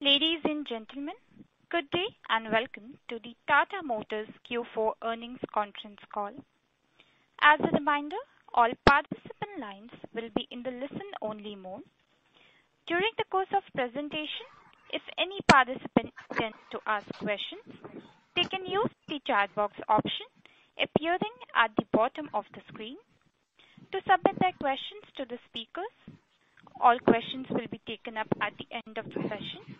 Ladies and gentlemen, good day and welcome to the Tata Motors Q4 earnings conference call. As a reminder, all participant lines will be in the listen-only mode. During the course of presentation, if any participant wishes to ask questions, they can use the chat box option appearing at the bottom of the screen to submit their questions to the speakers. All questions will be taken up at the end of the session.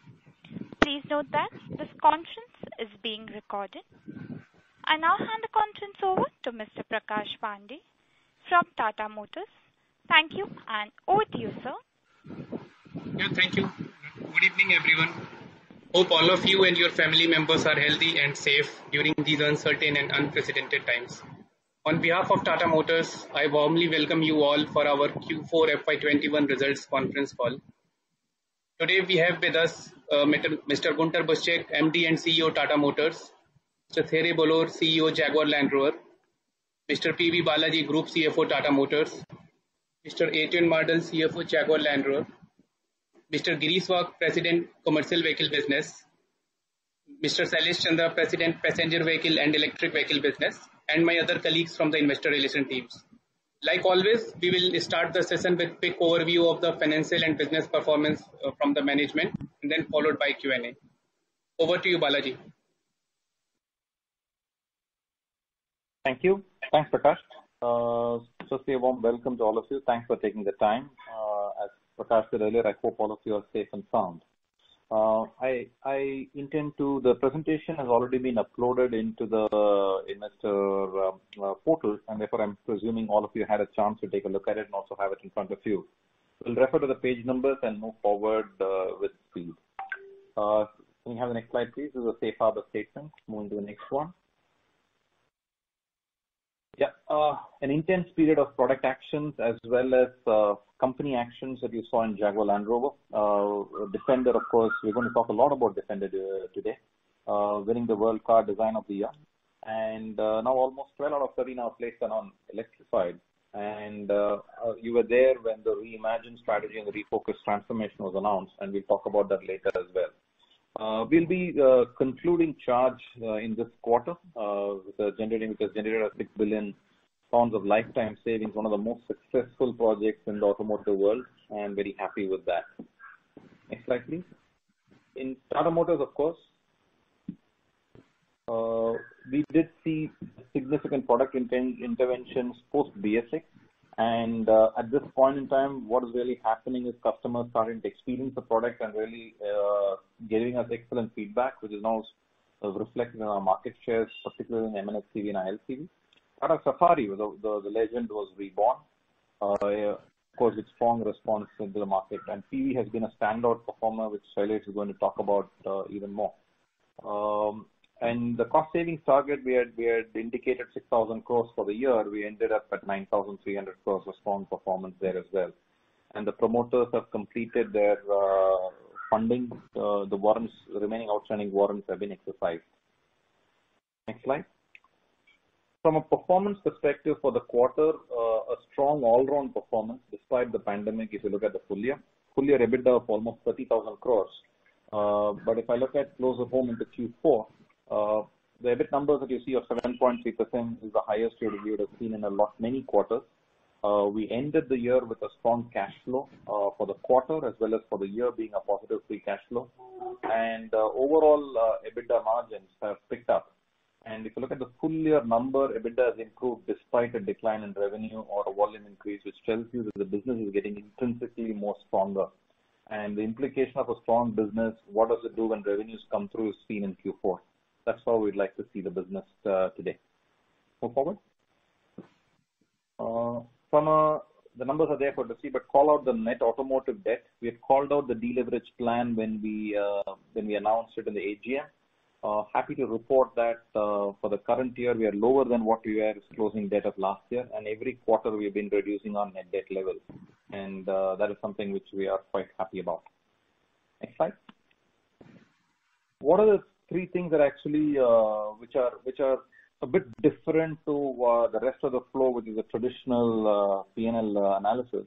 Please note that this conference is being recorded. I now hand the conference over to Mr. Prakash Pandey from Tata Motors. Thank you. Over to you, sir. Thank you. Good evening, everyone. Hope all of you and your family members are healthy and safe during these uncertain and unprecedented times. On behalf of Tata Motors, I warmly welcome you all for our Q4 FY 2021 results conference call. Today, we have with us Mr. Guenter Butschek, MD and CEO of Tata Motors, Mr. Thierry Bolloré, CEO of Jaguar Land Rover, Mr. P.B. Balaji, Group CFO, Tata Motors, Mr. Adrian Mardell, CFO, Jaguar Land Rover, Mr. Girish Wagh, President, Commercial Vehicle Business, Mr. Shailesh Chandra, President, Passenger Vehicle and Electric Vehicle Business, and my other colleagues from the investor relations teams. Like always, we will start the session with a quick overview of the financial and business performance from the management, and then followed by Q&A. Over to you, Balaji. Thank you. Thanks, Prakash. First, a warm welcome to all of you. Thanks for taking the time. As Prakash said earlier, I hope all of you are safe and sound. The presentation has already been uploaded into the investor portal, therefore, I'm presuming all of you had a chance to take a look at it and also have it in front of you. We'll refer to the page numbers and move forward with speed. Can we have the next slide, please? This is a safe harbor statement. Move to the next one. Yeah. An intense period of product actions as well as company actions that you saw in Jaguar Land Rover. Defender, of course, we're going to talk a lot about Defender today. Winning the World Car Design of the Year. Now almost 12 out of 13 are based around electrified. You were there when the Reimagine strategy and Refocus transformation was announced, and we talk about that later as well. We'll be concluding charge in this quarter. It has generated 6 billion pounds of lifetime savings, one of the most successful projects in the automotive world. I am very happy with that. Next slide, please. In Tata Motors, of course, we did see significant product interventions, post BS6. At this point in time, what is really happening is customers starting to experience the product and really giving us excellent feedback, which is now reflected in our market share, particularly in M&HCV and ILCV. Tata Safari, the legend was reborn. Of course, its strong response into the market. Tiago has been a standout performer, which Shailesh is going to talk about even more. The cost-saving target, we had indicated 6,000 crore for the year. We ended up at 9,300 crore. A strong performance there as well. The promoters have completed their fundings. The remaining outstanding warrants have been exercised. Next slide. From a performance perspective for the quarter, a strong all-around performance despite the pandemic, if you look at the full year. Full-year EBITDA of almost 30,000 crore. If I look at closer home into Q4, the EBITDA numbers that you see of 7.3% is the highest rate we have seen in many quarters. We ended the year with a strong cash flow for the quarter as well as for the year being a positive free cash flow. Overall, EBITDA margins have picked up. If you look at the full-year number, EBITDA has improved despite a decline in revenue or volume increase, which tells you that the business is getting intrinsically more stronger. The implication of a strong business, what does it do when revenues come through, is seen in Q4. That's how we like to see the business today. Move forward. Some of the numbers are there for you to see. Call out the net automotive debt. We have called out the deleverage plan when we announced it in the AGM. Happy to report that for the current year, we are lower than what we were at closing date of last year, and every quarter we've been reducing our net debt level. That is something which we are quite happy about. Next slide. One of the three things which are a bit different to the rest of the flow, which is a traditional P&L analysis.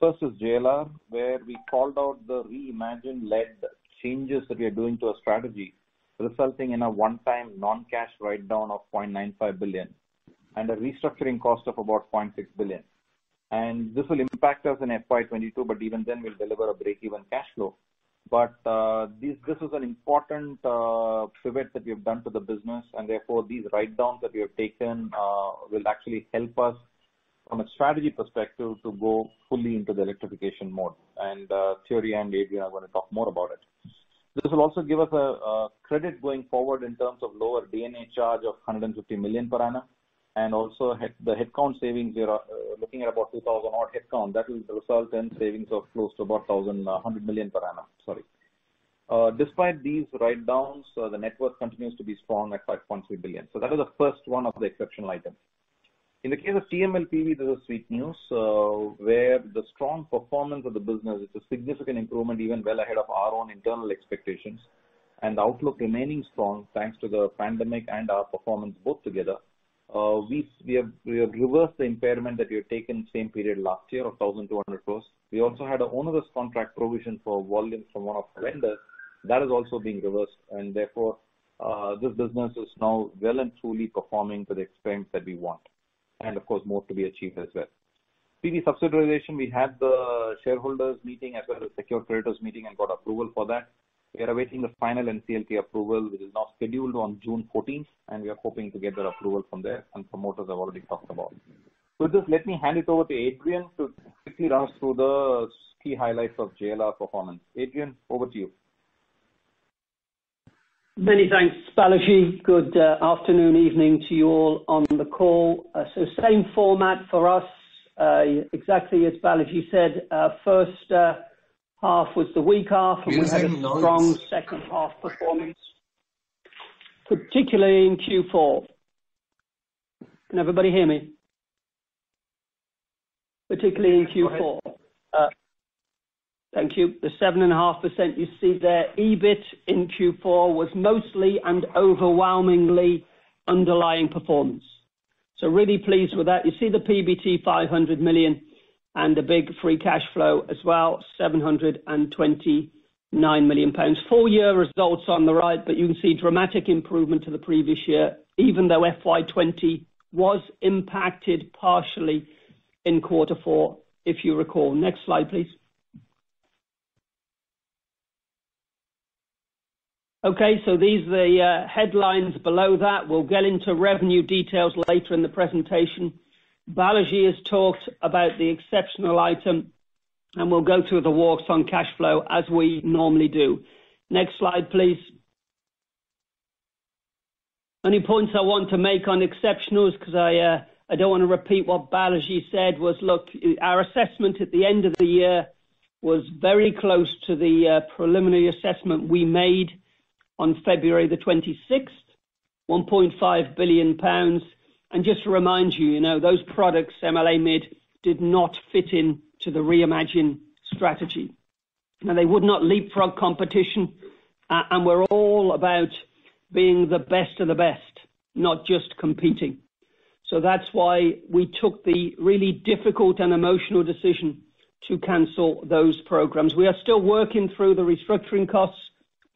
First is JLR, where we called out the Reimagine-led changes that we are doing to our strategy, resulting in a one-time non-cash write-down of 0.95 billion and a restructuring cost of about 0.6 billion. This will impact us in FY 2022, but even then we'll deliver a breakeven cash flow. This is an important pivot that we've done to the business, and therefore, these write-downs that we have taken will actually help us from a strategy perspective to go fully into the electrification mode. Thierry and Adrian are going to talk more about it. This will also give us a credit going forward in terms of lower D&A charge of 150 million per annum, and also the headcount savings, we are looking at about 2,000 odd headcount. That will result in savings of close to about 1,100 million per annum. Sorry. Despite these write-downs, the network continues to be strong at 5.3 billion. That is the first one of the exception items. In the case of TML PV, this is sweet news, where the strong performance of the business is a significant improvement, even well ahead of our own internal expectations. Outlook remaining strong, thanks to the pandemic and our performance both together. We have reversed the impairment that we had taken the same period last year of 1,200 crore. We also had an onerous contract provision for volume from one of our vendors. That has also been reversed, and therefore, this business is now well and truly performing to the extent that we want, and of course, more to be achieved as well. PV subsidiarization, we had the shareholders meeting as well as the secured creditors meeting and got approval for that. We are awaiting the final NCLT approval, which is now scheduled on June 14th, and we are hoping to get the approval from there and promoters I've already talked about. With this, let me hand it over to Adrian to quickly run through the key highlights of JLR performance. Adrian, over to you. Many thanks, Balaji. Good afternoon, evening to you all on the call. Same format for us. Exactly as Balaji said, our first half was the weak half, and we had a strong second half performance, particularly in Q4. Can everybody hear me? Particularly in Q4. Thank you. The 7.5% you see there, EBIT in Q4, was mostly and overwhelmingly underlying performance. Really pleased with that. You see the PBT 500 million and the big free cash flow as well, 729 million pounds. Full-year results on the right, you can see dramatic improvement to the previous year, even though FY 2020 was impacted partially in quarter four, if you recall. Next slide, please. These are the headlines below that. We'll get into revenue details later in the presentation. Balaji has talked about the exceptional item, we'll go through the walks on cash flow as we normally do. Next slide, please. Only points I want to make on exceptionals, because I don't want to repeat what Balaji said was, look, our assessment at the end of the year was very close to the preliminary assessment we made on February the 26th, 1.5 billion pounds. Just to remind you, those products, MLA-Mid, did not fit into the Reimagine strategy, and they would not lead product competition. We're all about being the best of the best, not just competing. That's why we took the really difficult and emotional decision to cancel those programs. We are still working through the restructuring costs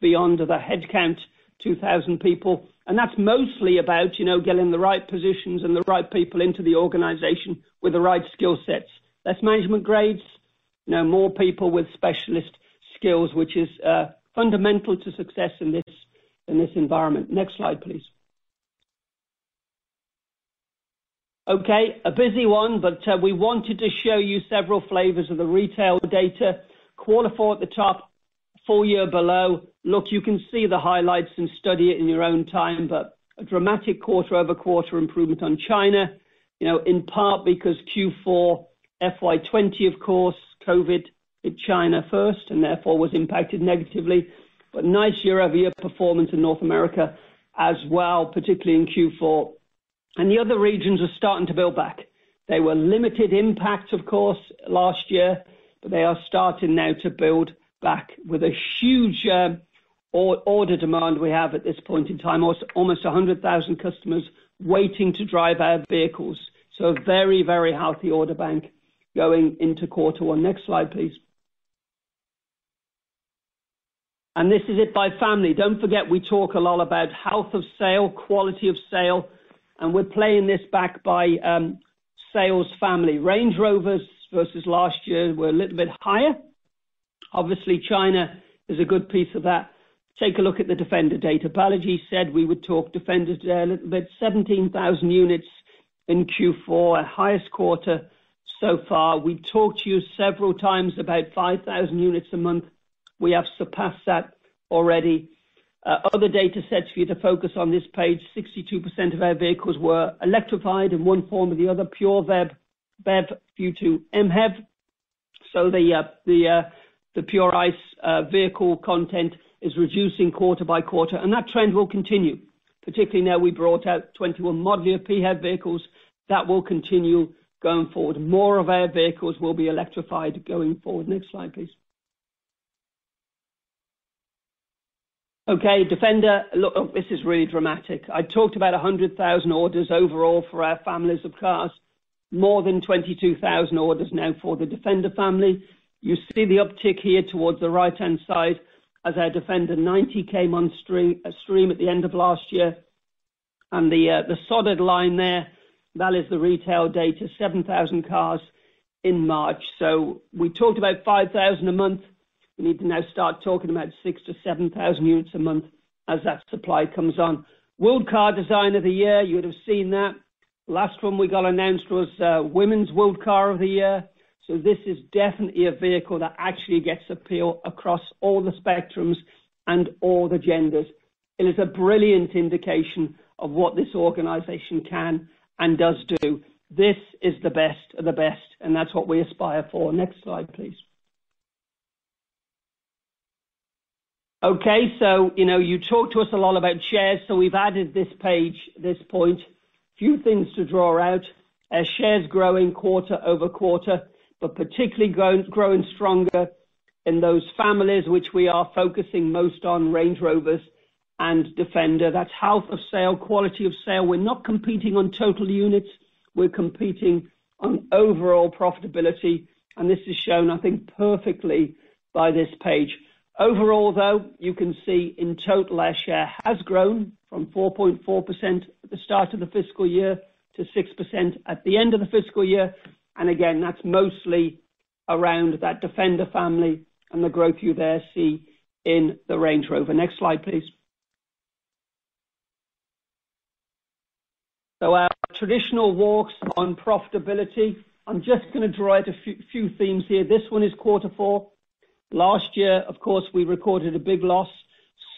beyond the headcount, 2,000 people. That's mostly about getting the right positions and the right people into the organization with the right skill sets. Less management grades, more people with specialist skills, which is fundamental to success in this environment. Next slide, please. A busy one, we wanted to show you several flavors of the retail data. Quarter four at the top, full year below. Look, you can see the highlights and study it in your own time, a dramatic quarter-over-quarter improvement on China, in part because Q4 FY 2020, of course, COVID hit China first and therefore was impacted negatively. Nice year-over-year performance in North America as well, particularly in Q4. The other regions are starting to build back. They were limited impact, of course, last year, they are starting now to build back with a huge order demand we have at this point in time. Almost 100,000 customers waiting to drive our vehicles. A very, very healthy order bank going into quarter one. Next slide, please. This is it by family. We talk a lot about health of sale, quality of sale, we're playing this back by sales family. Range Rovers versus last year were a little bit higher. Obviously, China is a good piece of that. Take a look at the Defender data. Balaji said we would talk Defender. 17,000 units in Q4, our highest quarter so far. We've talked to you several times about 5,000 units a month. We have surpassed that already. Other data sets for you to focus on this page, 62% of our vehicles were electrified in one form or the other, pure BEV, PHEV to MHEV. The pure ICE vehicle content is reducing quarter by quarter, and that trend will continue. Particularly now we brought out 21 modular PHEV vehicles that will continue going forward. More of our vehicles will be electrified going forward. Next slide, please. Okay, Defender. Look, this is really dramatic. I talked about 100,000 orders overall for our families of cars. More than 22,000 orders now for the Defender family. You see the uptick here towards the right-hand side as our Defender 90 came on stream at the end of last year. The dotted line there, that is the retail data, 7,000 cars in March. We talked about 5,000 a month. We need to now start talking about 6,000-7,000 units a month as that supply comes on. World Car Design of the Year, you'll have seen that. Last one we got announced was Women's World Car of the Year. This is definitely a vehicle that actually gets appeal across all the spectrums and all the genders. It is a brilliant indication of what this organization can and does do. This is the best of the best, and that's what we aspire for. Next slide, please. Okay, you talk to us a lot about shares, we've added this page at this point. Few things to draw out. Our share is growing quarter-over-quarter, particularly growing stronger in those families which we are focusing most on, Range Rovers and Defender. That health of sale, quality of sale. We're not competing on total units, we're competing on overall profitability, this is shown, I think, perfectly by this page. Overall, though, you can see in total, our share has grown from 4.4% at the start of the fiscal year to 6% at the end of the fiscal year. Again, that's mostly around that Defender family and the growth you there see in the Range Rover. Next slide, please. Our traditional walks on profitability. I'm just going to derive a few themes here. This one is quarter four. Last year, of course, we recorded a big loss.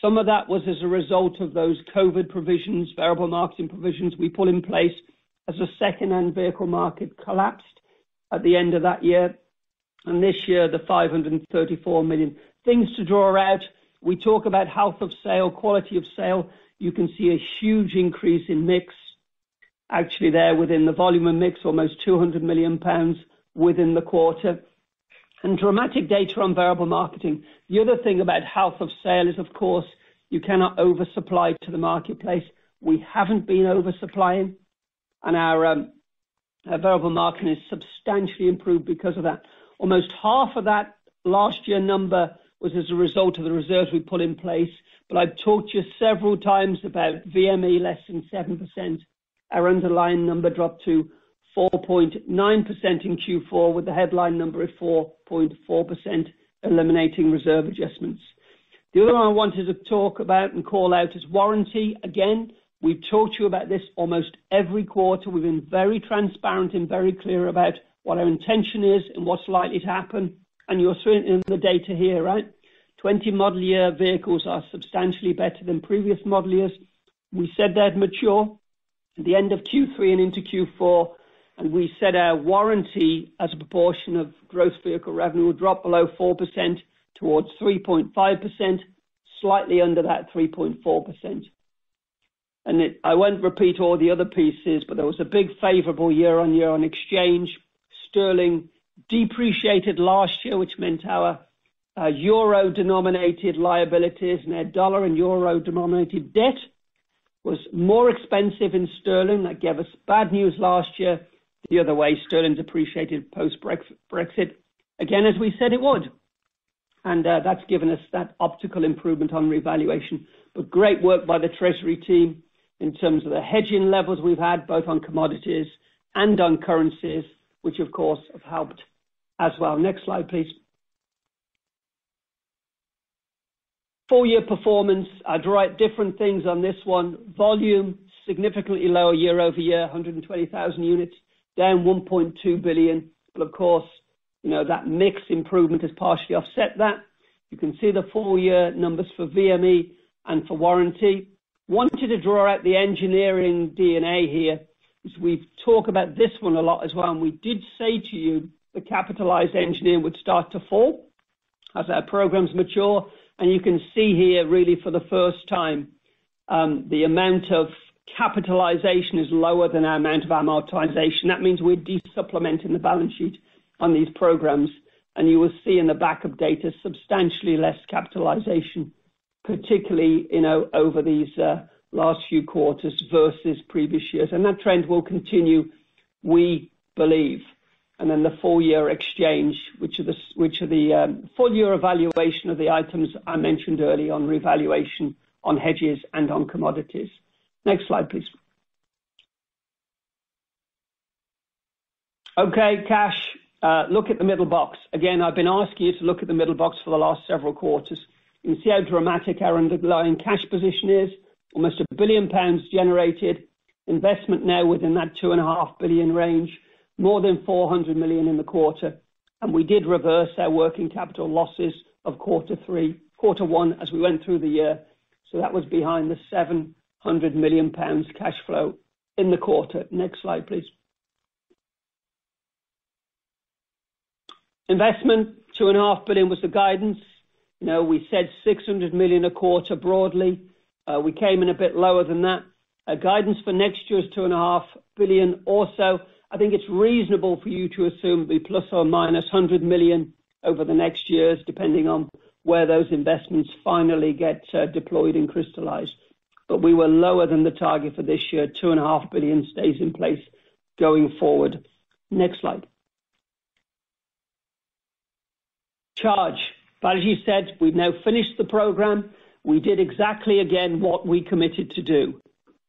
Some of that was as a result of those COVID provisions, variable marketing provisions we put in place as the second-hand vehicle market collapsed at the end of that year. This year, the 534 million. Things to draw out. We talk about health of sale, quality of sale. You can see a huge increase in mix actually there within the volume and mix, almost 200 million pounds within the quarter. Dramatic data on variable marketing. The other thing about health of sale is, of course, you cannot oversupply to the marketplace. We haven't been oversupplying, and our variable marketing is substantially improved because of that. Almost half of that last year number was as a result of the reserves we put in place. I've taught you several times about VME less than 7%. Our underlying number dropped to 4.9% in Q4 with the headline number at 4.4%, eliminating reserve adjustments. The other one I wanted to talk about and call out is warranty. Again, we taught you about this almost every quarter. We've been very transparent and very clear about what our intention is and what's likely to happen. You'll see it in the data here, right? 2020 model year vehicles are substantially better than previous model years. We said they'd mature at the end of Q3 and into Q4, and we said our warranty as a proportion of growth vehicle revenue would drop below 4% towards 3.5%, slightly under that 3.4%. I won't repeat all the other pieces, but there was a big favorable year-on-year on exchange. GBP depreciated last year, which meant our euro-denominated liabilities and our USD and euro-denominated debt was more expensive in GBP. That gave us bad news last year. The other way, GBP's appreciated post-Brexit, again, as we said it would. That's given us that optical improvement on revaluation. Great work by the treasury team in terms of the hedging levels we've had, both on commodities and on currencies, which of course, have helped as well. Next slide, please. Full year performance. I derive different things on this one. Volume, significantly lower year-over-year, 120,000 units, down 1.2 billion. Of course, that mix improvement has partially offset that. You can see the full year numbers for VME and for warranty. Wanted to draw out the engineering D&A here, because we talk about this one a lot as well. We did say to you the capitalized engineering would start to fall as our programs mature. You can see here, really for the first time, the amount of capitalization is lower than our amount of amortization. That means we're de-supplementing the balance sheet on these programs. You will see in the back of data, substantially less capitalization, particularly over these last few quarters versus previous years. That trend will continue, we believe. The full year exchange, which are the full year evaluation of the items I mentioned earlier on revaluation on hedges and on commodities. Next slide, please. Okay, cash. Look at the middle box. Again, I've been asking you to look at the middle box for the last several quarters. You can see how dramatic our underlying cash position is. Almost 1 billion pounds generated. Investment now within that two and a half billion range, more than 400 million in the quarter. We did reverse our working capital losses of quarter three, quarter one as we went through the year. That was behind the 700 million pounds cash flow in the quarter. Next slide, please. Investment, 2.5 billion was the guidance. We said 600 million a quarter broadly. We came in a bit lower than that. Our guidance for next year is 2.5 billion or so. I think it's reasonable for you to assume it'll be ±100 million over the next years, depending on where those investments finally get deployed and crystallized. We were lower than the target for this year. 2.5 billion stays in place going forward. Next slide. Project Charge. As you said, we've now finished the program. We did exactly again, what we committed to do.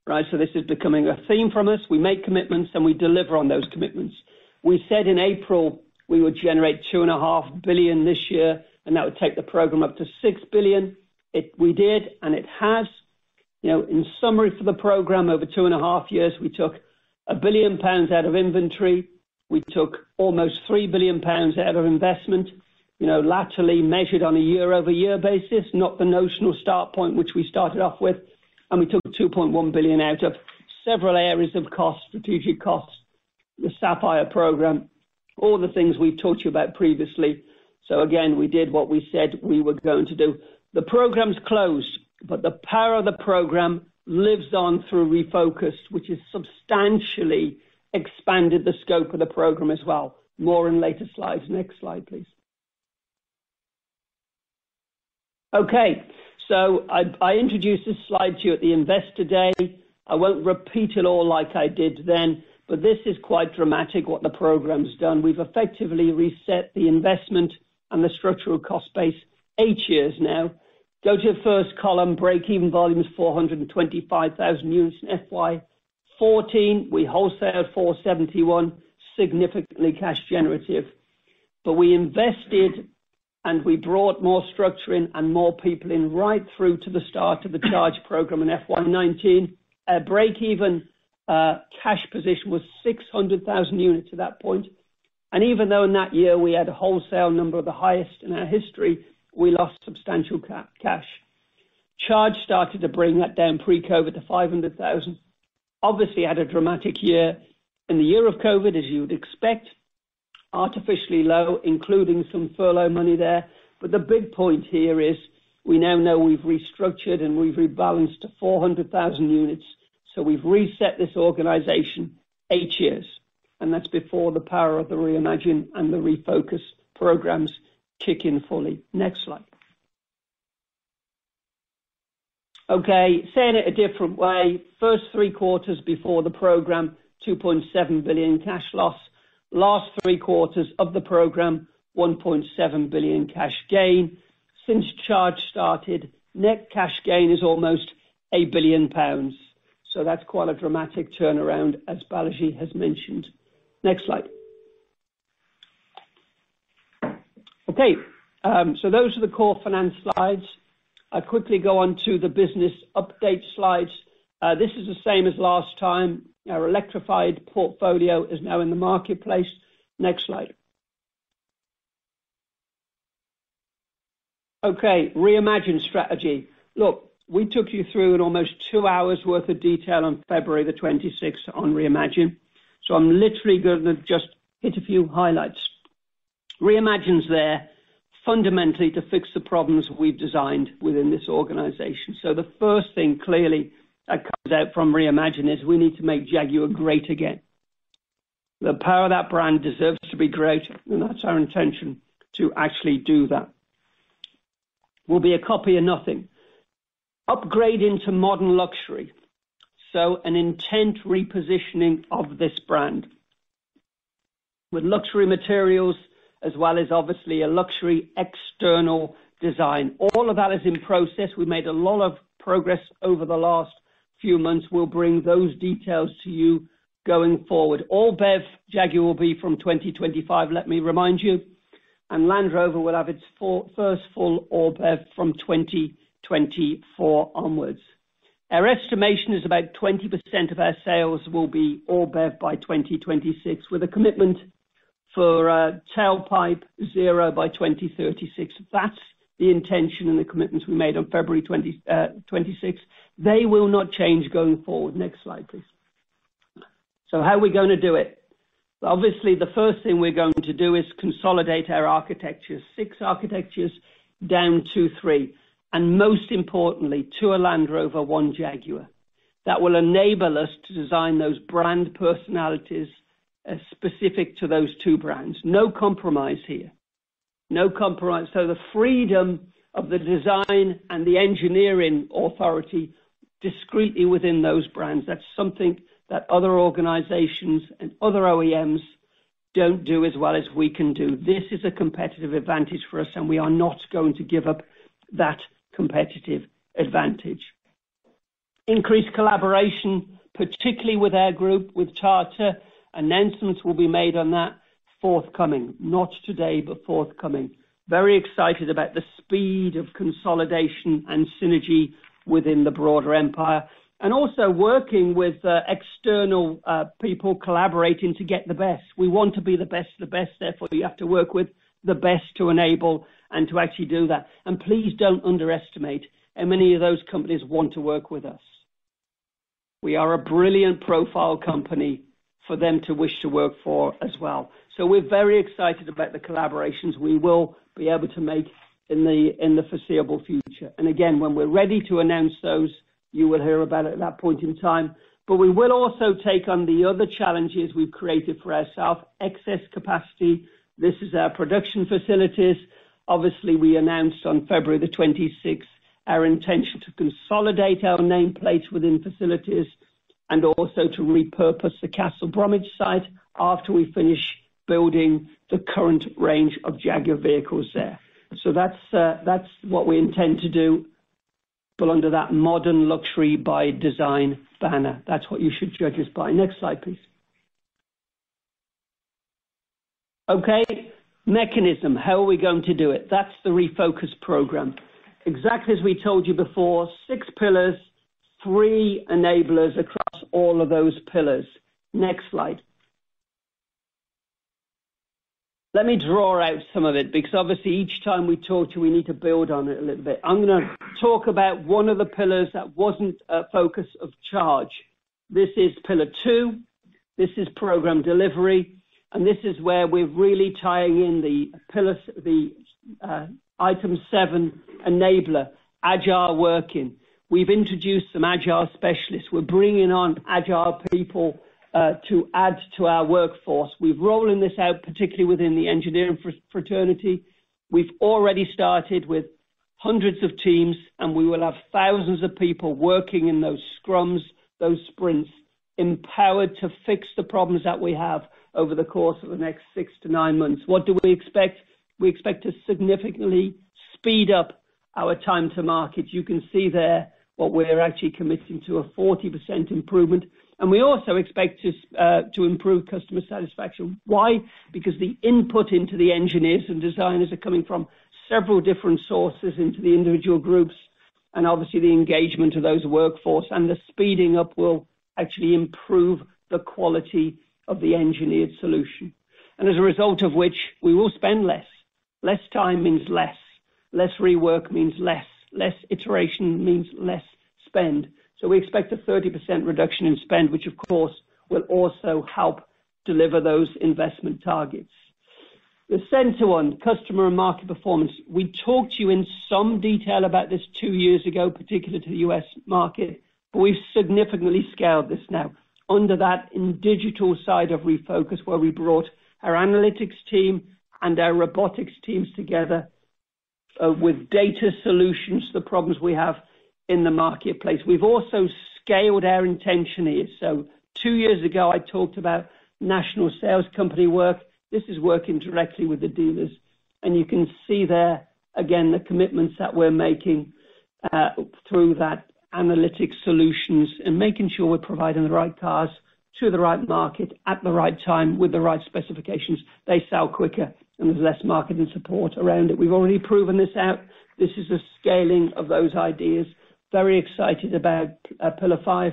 This is becoming a theme from us. We make commitments and we deliver on those commitments. We said in April we would generate 2.5 billion this year, and that would take the program up to 6 billion. We did, and it has. In summary for the program, over two and half years, we took 1 billion pounds out of inventory. We took almost 3 billion pounds out of investment, laterally measured on a year-over-year basis, not the notional start point, which we started off with. We took 2.1 billion out of several areas of cost, strategic costs, the Sapphire program, all the things we talked to you about previously. Again, we did what we said we were going to do. The program's closed. The power of the program lives on through Refocus, which has substantially expanded the scope of the program as well. More in later slides. Next slide, please. I introduced this slide to you at the Investor Day. I won't repeat it all like I did then, but this is quite dramatic what the program's done. We've effectively reset the investment and the structural cost base eight years now. Go to the first column, break-even volume is 425,000 units in FY 2014. We wholesale at 471, significantly cash generative. We invested and we brought more structure in and more people in right through to the start of the Charge program in FY 2019. Our break-even cash position was 600,000 units at that point. Even though in that year we had a wholesale number, the highest in our history, we lost substantial cash. Charge started to bring that down pre-COVID to 500,000. Obviously, had a dramatic year in the year of COVID, as you would expect. Artificially low, including some furlough money there. The big point here is we now know we've restructured and we've rebalanced to 400,000 units. We've reset this organization eight years, and that's before the power of the Reimagine and the Refocus programs kick in fully. Next slide. Saying it a different way. First three quarters before the program, 2.7 billion cash loss. Last three quarters of the program, 1.7 billion cash gain. Since Project Charge started, net cash gain is almost 8 billion pounds. That's quite a dramatic turnaround, as Balaji has mentioned. Next slide. Those are the core finance slides. I'll quickly go on to the business update slides. This is the same as last time. Our electrified portfolio is now in the marketplace. Next slide. Okay, Reimagine strategy. Look, we took you through in almost two hours worth of detail on February the 26th on Reimagine. I'm literally going to just hit a few highlights. Reimagine's there fundamentally to fix the problems we've designed within this organization. The first thing, clearly, that comes out from Reimagine is we need to make Jaguar great again. The power of that brand deserves to be great, and that's our intention to actually do that. We'll be a copy of nothing. Upgrading to modern luxury. An intent repositioning of this brand with luxury materials as well as obviously a luxury external design. All of that is in process. We made a lot of progress over the last few months. We'll bring those details to you going forward. All-BEV Jaguar will be from 2025, let me remind you, and Land Rover will have its first full All-BEV from 2024 onwards. Our estimation is about 20% of our sales will be All-BEV by 2026, with a commitment for tailpipe zero by 2036. That's the intention and the commitments we made on February 26th. They will not change going forward. Next slide, please. How are we going to do it? Obviously, the first thing we're going to do is consolidate our architectures, six architectures down to three, and most importantly, two are Land Rover, one Jaguar. That will enable us to design those brand personalities as specific to those two brands. No compromise here. No compromise. The freedom of the design and the engineering authority discreetly within those brands. That's something that other organizations and other OEMs don't do as well as we can do. This is a competitive advantage for us, and we are not going to give up that competitive advantage. Increased collaboration, particularly with our group, with Tata. Announcements will be made on that forthcoming. Not today, but forthcoming. Very excited about the speed of consolidation and synergy within the broader empire, and also working with external people collaborating to get the best. We want to be the best of the best, therefore we have to work with the best to enable and to actually do that. Please don't underestimate how many of those companies want to work with us. We are a brilliant profile company for them to wish to work for as well. We're very excited about the collaborations we will be able to make in the foreseeable future. Again, when we're ready to announce those, you will hear about it at that point in time. We will also take on the other challenges we've created for ourselves. Excess capacity. This is our production facilities. Obviously, we announced on February the 26th our intention to consolidate our nameplate within facilities and also to repurpose the Castle Bromwich site after we finish building the current range of Jaguar vehicles there. That's what we intend to do under that modern luxury by design banner. That's what you should judge us by. Next slide, please. Okay. Mechanism. How are we going to do it? That's the Refocus program. Exactly as we told you before, six pillars, three enablers across all of those pillars. Next slide. Let me draw out some of it, because obviously each time we talk to you, we need to build on it a little bit. I'm going to talk about one of the pillars that wasn't a focus of Charge. This is pillar two, this is program delivery, and this is where we're really tying in the item seven enabler, agile working. We've introduced an agile specialist. We're bringing on agile people to add to our workforce. We're rolling this out, particularly within the engineering fraternity. We've already started with hundreds of teams, and we will have thousands of people working in those scrums, those sprints, empowered to fix the problems that we have over the course of the next six to nine months. What do we expect? We expect to significantly speed up our time to market. You can see there that we're actually committing to a 40% improvement, and we also expect to improve customer satisfaction. Why? The input into the engineers and designers are coming from several different sources into the individual groups, obviously the engagement of those workforce and the speeding up will actually improve the quality of the engineered solution. As a result of which, we will spend less. Less time means less. Less rework means less. Less iteration means less spend. We expect a 30% reduction in spend, which of course, will also help deliver those investment targets. The center one, customer and market performance. We talked to you in some detail about this two years ago, particularly to the U.S. market, we've significantly scaled this now. Under that, in the digital side of Refocus, where we brought our analytics team and our robotics teams together with data solutions to the problems we have in the marketplace. We've also scaled our intention here. Two years ago, I talked about national sales company work. This is working directly with the dealers. You can see there, again, the commitments that we're making through that analytic solutions and making sure we're providing the right cars to the right market at the right time with the right specifications. They sell quicker, and there's less marketing support around it. We've already proven this out. This is a scaling of those ideas. Very excited about pillar five.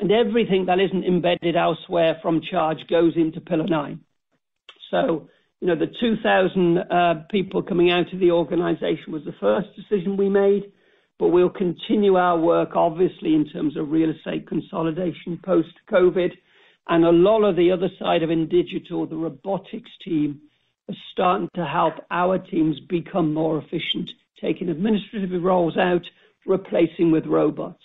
Everything that isn't embedded elsewhere from Charge goes into pillar nine. The 2,000 people coming out of the organization was the first decision we made, but we'll continue our work, obviously, in terms of real estate consolidation post-COVID. A lot of the other side of in digital, the robotics team is starting to help our teams become more efficient, taking administrative roles out, replacing with robots.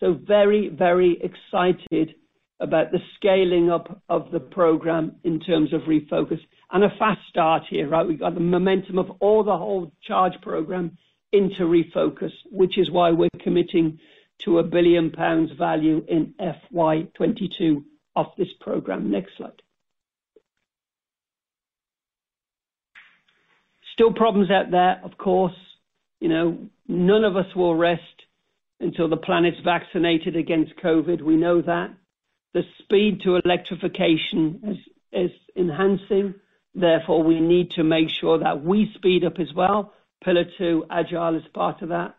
Very excited about the scaling up of the program in terms of Refocus. A fast start here. We've got the momentum of all the whole Project Charge program into Refocus, which is why we're committing to a 1 billion pounds value in FY 2022 off this program. Next slide. Still problems out there, of course. None of us will rest until the planet's vaccinated against COVID. We know that. The speed to electrification is enhancing. We need to make sure that we speed up as well. Pillar two, agile is part of that.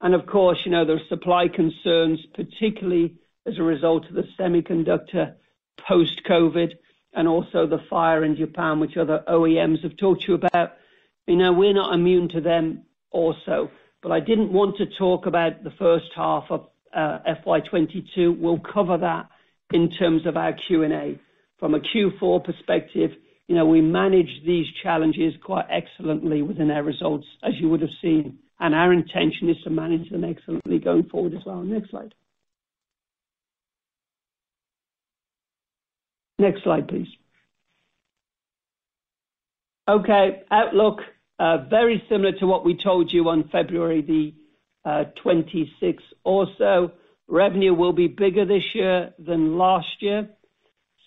Of course, there are supply concerns, particularly as a result of the semiconductor post-COVID and also the fire in Japan, which other OEMs have talked to you about. We're not immune to them also. I didn't want to talk about the first half of FY 2022. We'll cover that in terms of our Q&A. From a Q4 perspective, we managed these challenges quite excellently within our results, as you would have seen, and our intention is to manage them excellently going forward as well. Next slide. Next slide, please. Okay, outlook. Very similar to what we told you on February the 26th or so. Revenue will be bigger this year than last year,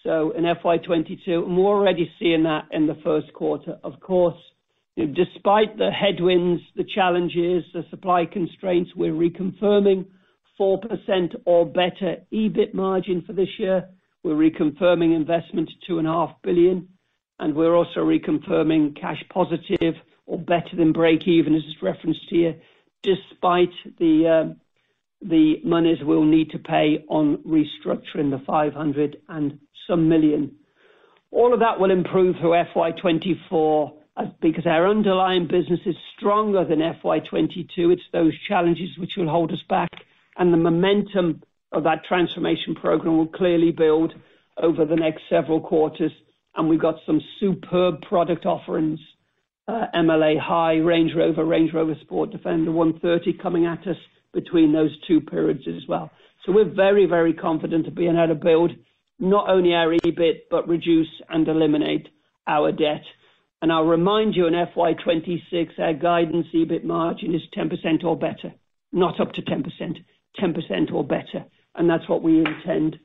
so in FY 2022, and we're already seeing that in the first quarter. Of course, despite the headwinds, the challenges, the supply constraints, we're reconfirming 4% or better EBIT margin for this year. We're reconfirming investment at 2.5 billion, and we're also reconfirming cash positive or better than break even, as it's referenced here, despite the monies we'll need to pay on restructuring the 500 and some million. All of that will improve through FY 2024 because our underlying business is stronger than FY 2022. It's those challenges which will hold us back. The momentum of our transformation program will clearly build over the next several quarters. We've got some superb product offerings, MLA High, Range Rover, Range Rover Sport, Defender 130 coming at us between those two periods as well. We're very confident of being able to build not only our EBIT, but reduce and eliminate our debt. I'll remind you, in FY 2026, our guidance EBIT margin is 10% or better. Not up to 10%, 10% or better. That's what we intend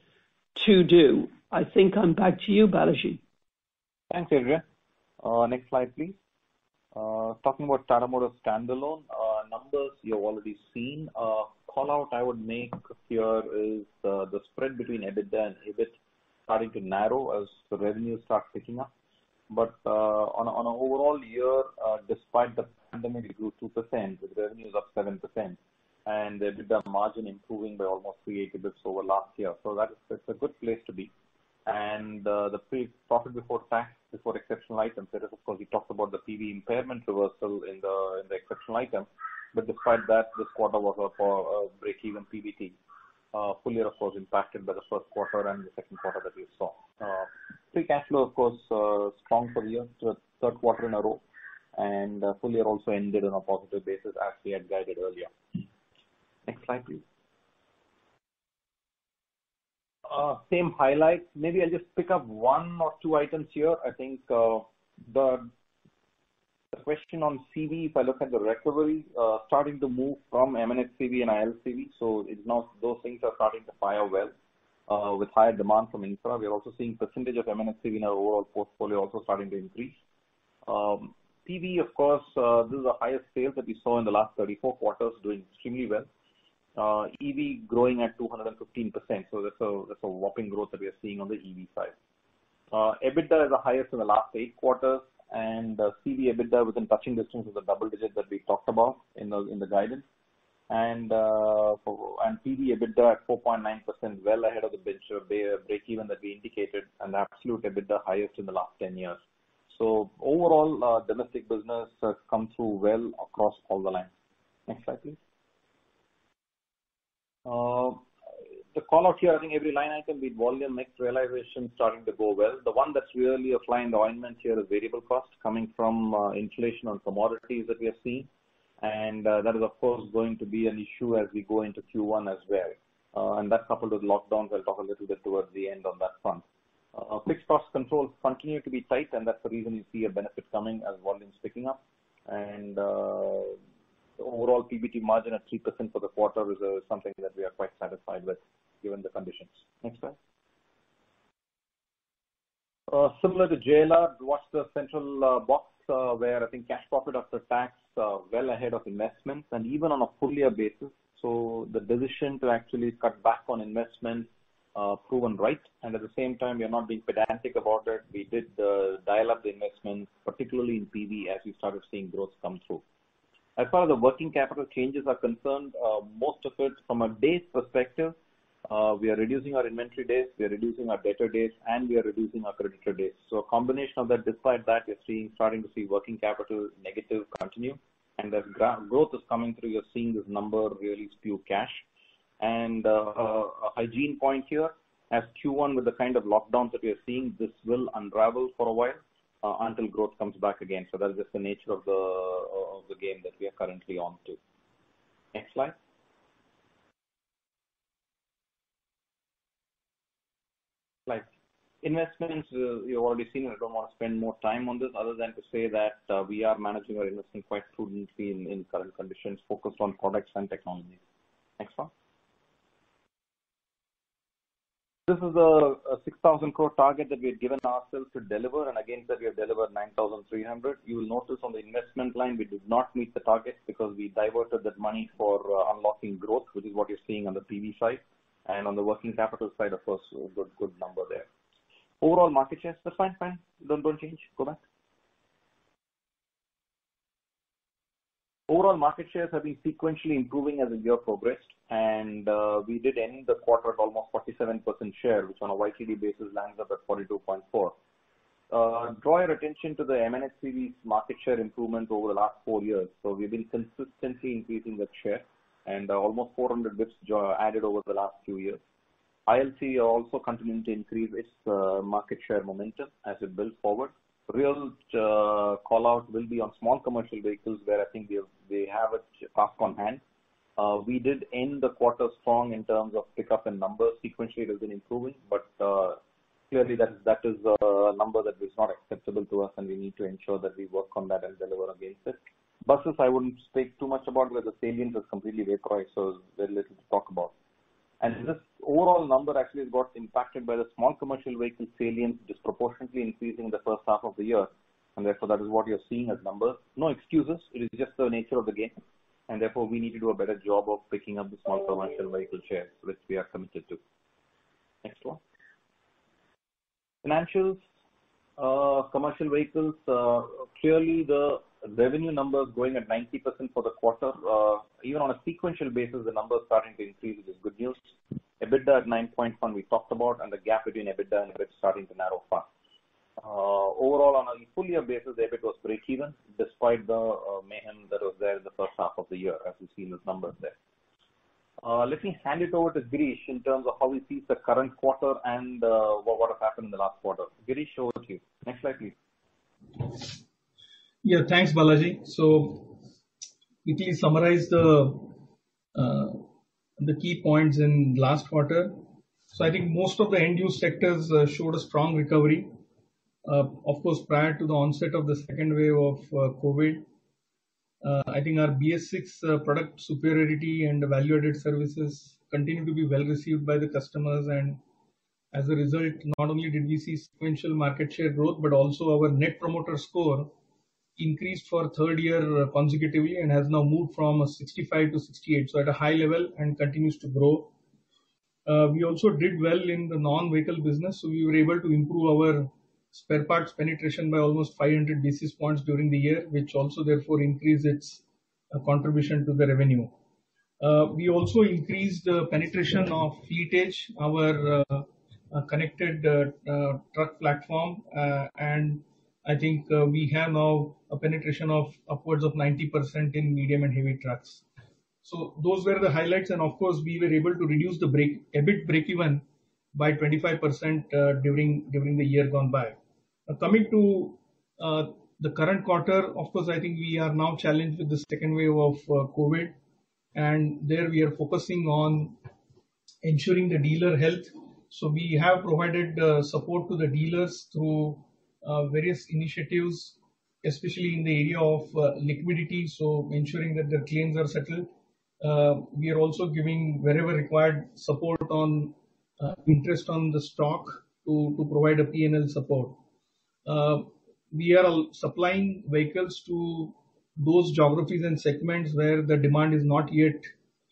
to do. I think I'm back to you, Balaji. Thanks, Adrian. Next slide, please. Talking about Tata Motors standalone, numbers you have already seen. A call-out I would make here is the spread between EBITDA and EBIT starting to narrow as the revenues start kicking up. On an overall year, despite the pandemic, it grew 2%, the revenue is up 7%. EBITDA margin improving by almost 80 basis over last year. That's a good place to be. The profit before tax, before exceptional items, that is, of course, we talked about the PV impairment reversal in the exceptional item. Despite that, this quarter was breakeven PBT. Full year, of course, impacted by the first quarter and the second quarter that we saw. Free cash flow, of course, strong for year, third quarter in a row, full year also ended on a positive basis as we had guided earlier. Next slide, please. Same highlights. Maybe I'll just pick up one or two items here. I think the question on CV, if I look at the recovery, starting to move from M&HCV and ILCV, so those things are starting to fare well with higher demand from infra. We're also seeing percentage of M&HCV in our overall portfolio also starting to increase. PV, of course, this is the highest sales that we saw in the last 34 quarters doing extremely well. EV growing at 215%, so that's a whopping growth that we are seeing on the EV side. EBITDA is the highest in the last eight quarters, and CV EBITDA within touching distance of the double digit that we talked about in the guidance. PV EBITDA at 4.9%, well ahead of the breakeven that we indicated and absolute EBITDA highest in the last 10 years. Overall, domestic business has come through well across all the lines. Next slide, please. The call here, I think every line item with volume mix realization starting to go well. The one that's really applying the ointment here is variable cost coming from inflation on commodities that we are seeing. That is, of course, going to be an issue as we go into Q1 as well. That's coupled with lockdowns. We'll talk a little bit towards the end on that front. Fixed cost controls continue to be tight, and that's the reason you see a benefit coming as volume is picking up. Overall PBT margin of 3% for the quarter is something that we are quite satisfied with given the conditions. Next slide. Similar to JLR, watch the central box, where I think cash profit after tax well ahead of investments and even on a full year basis. The decision to actually cut back on investments proven right. At the same time, we are not being pedantic about it. We did dial up the investments, particularly in PV, as we started seeing growth come through. As far as the working capital changes are concerned, most of it from a days perspective, we are reducing our inventory days, we are reducing our debtor days, and we are reducing our creditor days. A combination of that, despite that, we're starting to see working capital negative continue, and as growth is coming through, you're seeing this number really spew cash. A hygiene point here. As Q1 with the kind of lockdowns that we are seeing, this will unravel for a while until growth comes back again. That's just the nature of the game that we are currently on to. Next slide. Slide. Investments, you've already seen it. I don't want to spend more time on this other than to say that we are managing our investing quite prudently in current conditions focused on products and technology. Next one. This is an 6,000 crore target that we had given ourselves to deliver, and again that we have delivered 9,300 crore. You will notice on the investment line, we did not meet the target because we diverted that money for unlocking growth, which is what you're seeing on the PV side. On the working capital side, of course, a good number there. Overall market share. That's fine. You don't go and change. Go back. Overall market shares have been sequentially improving as the year progressed, and we did end the quarter at almost 47% share, which on a YTD basis lands up at 42.4%. Draw your attention to the M&HCV's market share improvement over the last four years. We've been consistently increasing that share and almost 400 basis points added over the last few years. ILCV also continuing to increase its market share momentum as we build forward. Real call-out will be on small commercial vehicles, where I think they have a task on hand. We did end the quarter strong in terms of pickup in numbers. Sequentially, it has been improving, but clearly that is a number that is not acceptable to us, and we need to ensure that we work on that and deliver against it. But, I wouldn't speak too much about where the salience is completely required, so there's very little to talk about. This overall number actually got impacted by the small commercial vehicle salience disproportionately increasing in the first half of the year, and therefore, that is what you're seeing as numbers. No excuses. It is just the nature of the game, and therefore, we need to do a better job of picking up the small commercial vehicle share, which we are committed to. Next one. Financials. Commercial vehicles. Clearly, the revenue number growing at 90% for the quarter. Even on a sequential basis, the number is starting to increase, which is good news. EBITDA at 9.1% we talked about, and the gap between EBITDA and [RevEx] starting to narrow fast. Overall on a full year basis, EBITDA was breakeven despite the mayhem that was there in the first half of the year, as you see the numbers there. Let me hand it over to Girish in terms of how he sees the current quarter and what happened in the last quarter. Girish, over to you. Next slide, please. Yeah, thanks, Balaji. Quickly summarize the key points in last quarter. I think most of the end-use sectors showed a strong recovery. Of course, prior to the onset of the second wave of COVID, I think our BS6 product superiority and value-added services continued to be well received by the customers, and as a result, not only did we see sequential market share growth, but also our net promoter score increased for a third year consecutively and has now moved from 65 to 68, so at a high level and continues to grow. We also did well in the non-vehicle business. We were able to improve our spare parts penetration by almost 500 basis points during the year, which also therefore increased its contribution to the revenue. We also increased the penetration of Fleet Edge, our connected truck platform, and I think we have now a penetration of upwards of 90% in medium and heavy trucks. Those were the highlights, and of course, we were able to reduce the EBIT breakeven by 25% during the year gone by. Coming to the current quarter, of course, I think we are now challenged with the second wave of COVID. There we are focusing on ensuring the dealer health. We have provided support to the dealers through various initiatives, especially in the area of liquidity, so ensuring that their claims are settled. We are also giving, wherever required, support on interest on the stock to provide a P&L support. We are supplying vehicles to those geographies and segments where the demand is not yet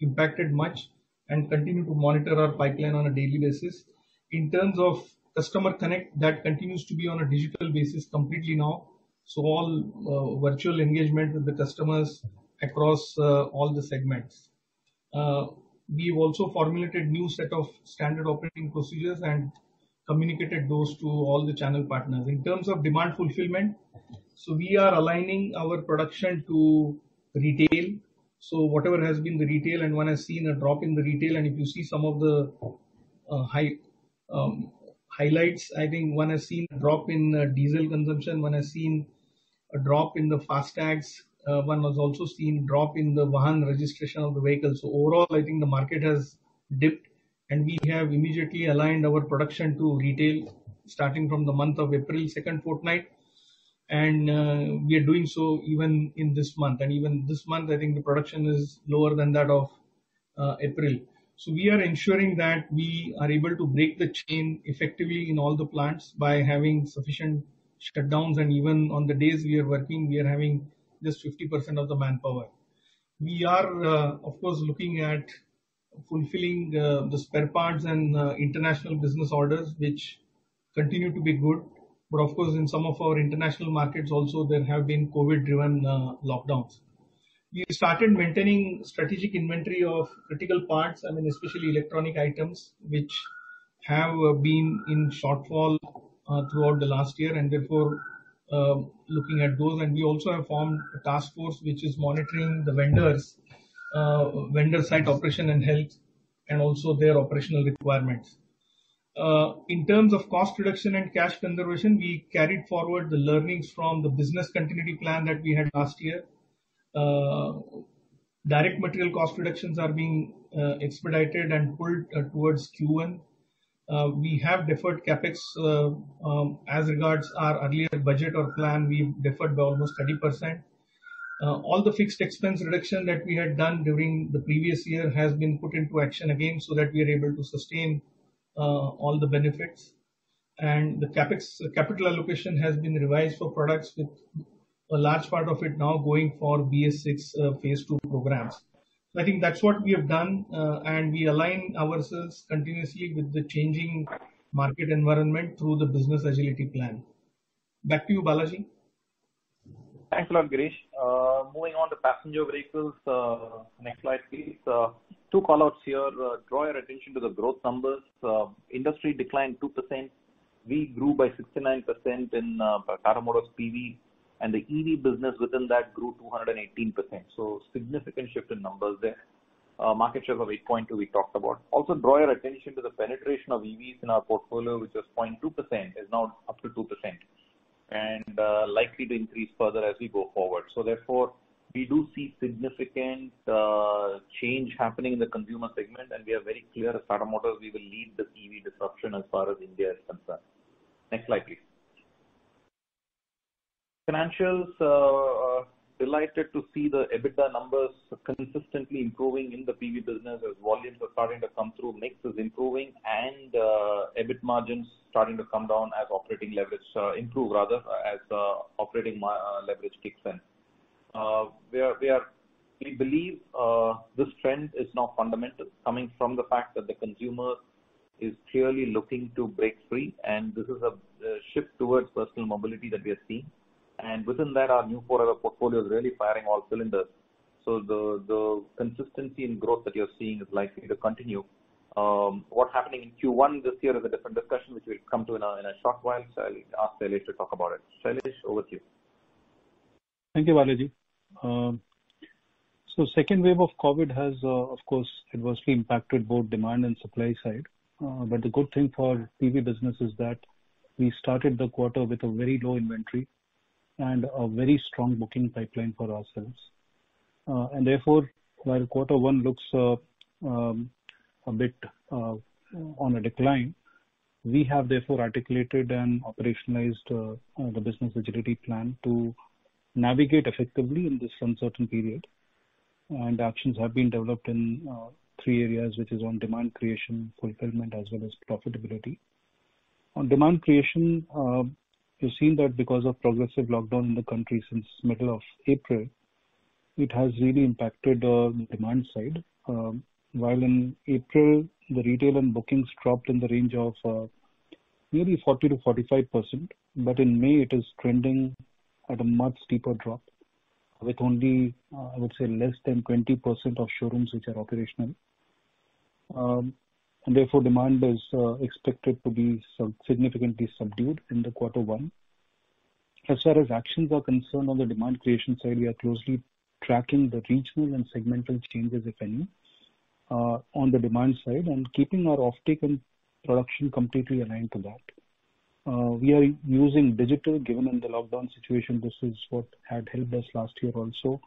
impacted much and continue to monitor our pipeline on a daily basis. In terms of customer connect, that continues to be on a digital basis completely now. All virtual engagement with the customers across all the segments. We have also formulated a new set of standard operating procedures and communicated those to all the channel partners. In terms of demand fulfillment, we are aligning our production to retail. Whatever has been the retail, and one has seen a drop in the retail, and if you see some of the highlights, I think one has seen a drop in diesel consumption, one has seen a drop in the FASTags. One has also seen a drop in the Vahan registration of the vehicles. Overall, I think the market has dipped, and we have immediately aligned our production to retail starting from the month of April second fortnight, and we are doing so even in this month. Even this month, I think the production is lower than that of April. We are ensuring that we are able to break the chain effectively in all the plants by having sufficient shutdowns. Even on the days we are working, we are having just 50% of the manpower. We are, of course, looking at fulfilling the spare parts and international business orders, which continue to be good. Of course, in some of our international markets also, there have been COVID-driven lockdowns. We started maintaining strategic inventory of critical parts, I mean especially electronic items, which have been in shortfall throughout the last year, and therefore, looking at those. We also have formed a task force which is monitoring the vendors, vendor site operation and health, and also their operational requirements. In terms of cost reduction and cash preservation, we carried forward the learnings from the business continuity plan that we had last year. Direct material cost reductions are being expedited and pulled towards Q1. We have deferred CapEx as regards our earlier budget or plan, we have deferred by almost 30%. All the fixed expense reduction that we had done during the previous year has been put into action again so that we are able to sustain all the benefits. The capital allocation has been revised for products with a large part of it now going for BS6 Phase II programs. I think that's what we have done, and we align ourselves continuously with the changing market environment through the business agility plan. Back to you, Balaji. Thanks a lot, Girish. Moving on to passenger vehicles, next slide, please. Two callouts here. Draw your attention to the growth numbers. Industry declined 2%. We grew by 69% in Tata Motors PV, and the EV business within that grew 218%. Significant shift in numbers there. Market share of 8.2 we talked about. Also, draw your attention to the penetration of EVs in our portfolio, which was 0.2%, is now up to 2%, and likely to increase further as we go forward. Therefore, we do see significant change happening in the consumer segment, and we are very clear at Tata Motors we will lead the PV disruption as far as India is concerned. Next slide, please. Financials. Delighted to see the EBITDA numbers consistently improving in the PV business as volumes are starting to come through, mix is improving, and EBIT margins starting to improve, rather, as operating leverage kicks in. We believe this trend is now fundamental, coming from the fact that the consumer is clearly looking to break free, this is a shift towards personal mobility that we are seeing. Within that, our new portfolio is really firing on all cylinders. The consistency in growth that you're seeing is likely to continue. What happening in Q1 this year is a different discussion, which we'll come to in a short while. I'll ask Shailesh to talk about it. Shailesh, over to you. Thank you, Balaji. Second wave of COVID has, of course, adversely impacted both demand and supply side. The good thing for PV business is that we started the quarter with a very low inventory and a very strong booking pipeline for ourselves. Therefore, while quarter one looks a bit on a decline, we have therefore articulated and operationalized the business agility plan to navigate effectively in this uncertain period. Actions have been developed in three areas, which is on demand creation, fulfillment, as well as profitability. On demand creation, we've seen that because of progressive lockdown in the country since middle of April, it has really impacted the demand side. In April, the retail and bookings dropped in the range of nearly 40%-45%, in May, it is trending at a much steeper drop, with only, I would say, less than 20% of showrooms which are operational. Demand is expected to be significantly subdued in the quarter one. As far as actions are concerned on the demand creation side, we are closely tracking the regional and segmental changes, if any, on the demand side and keeping our offtake and production completely aligned to that. We are using digital, given the lockdown situation. This is what had helped us last year also.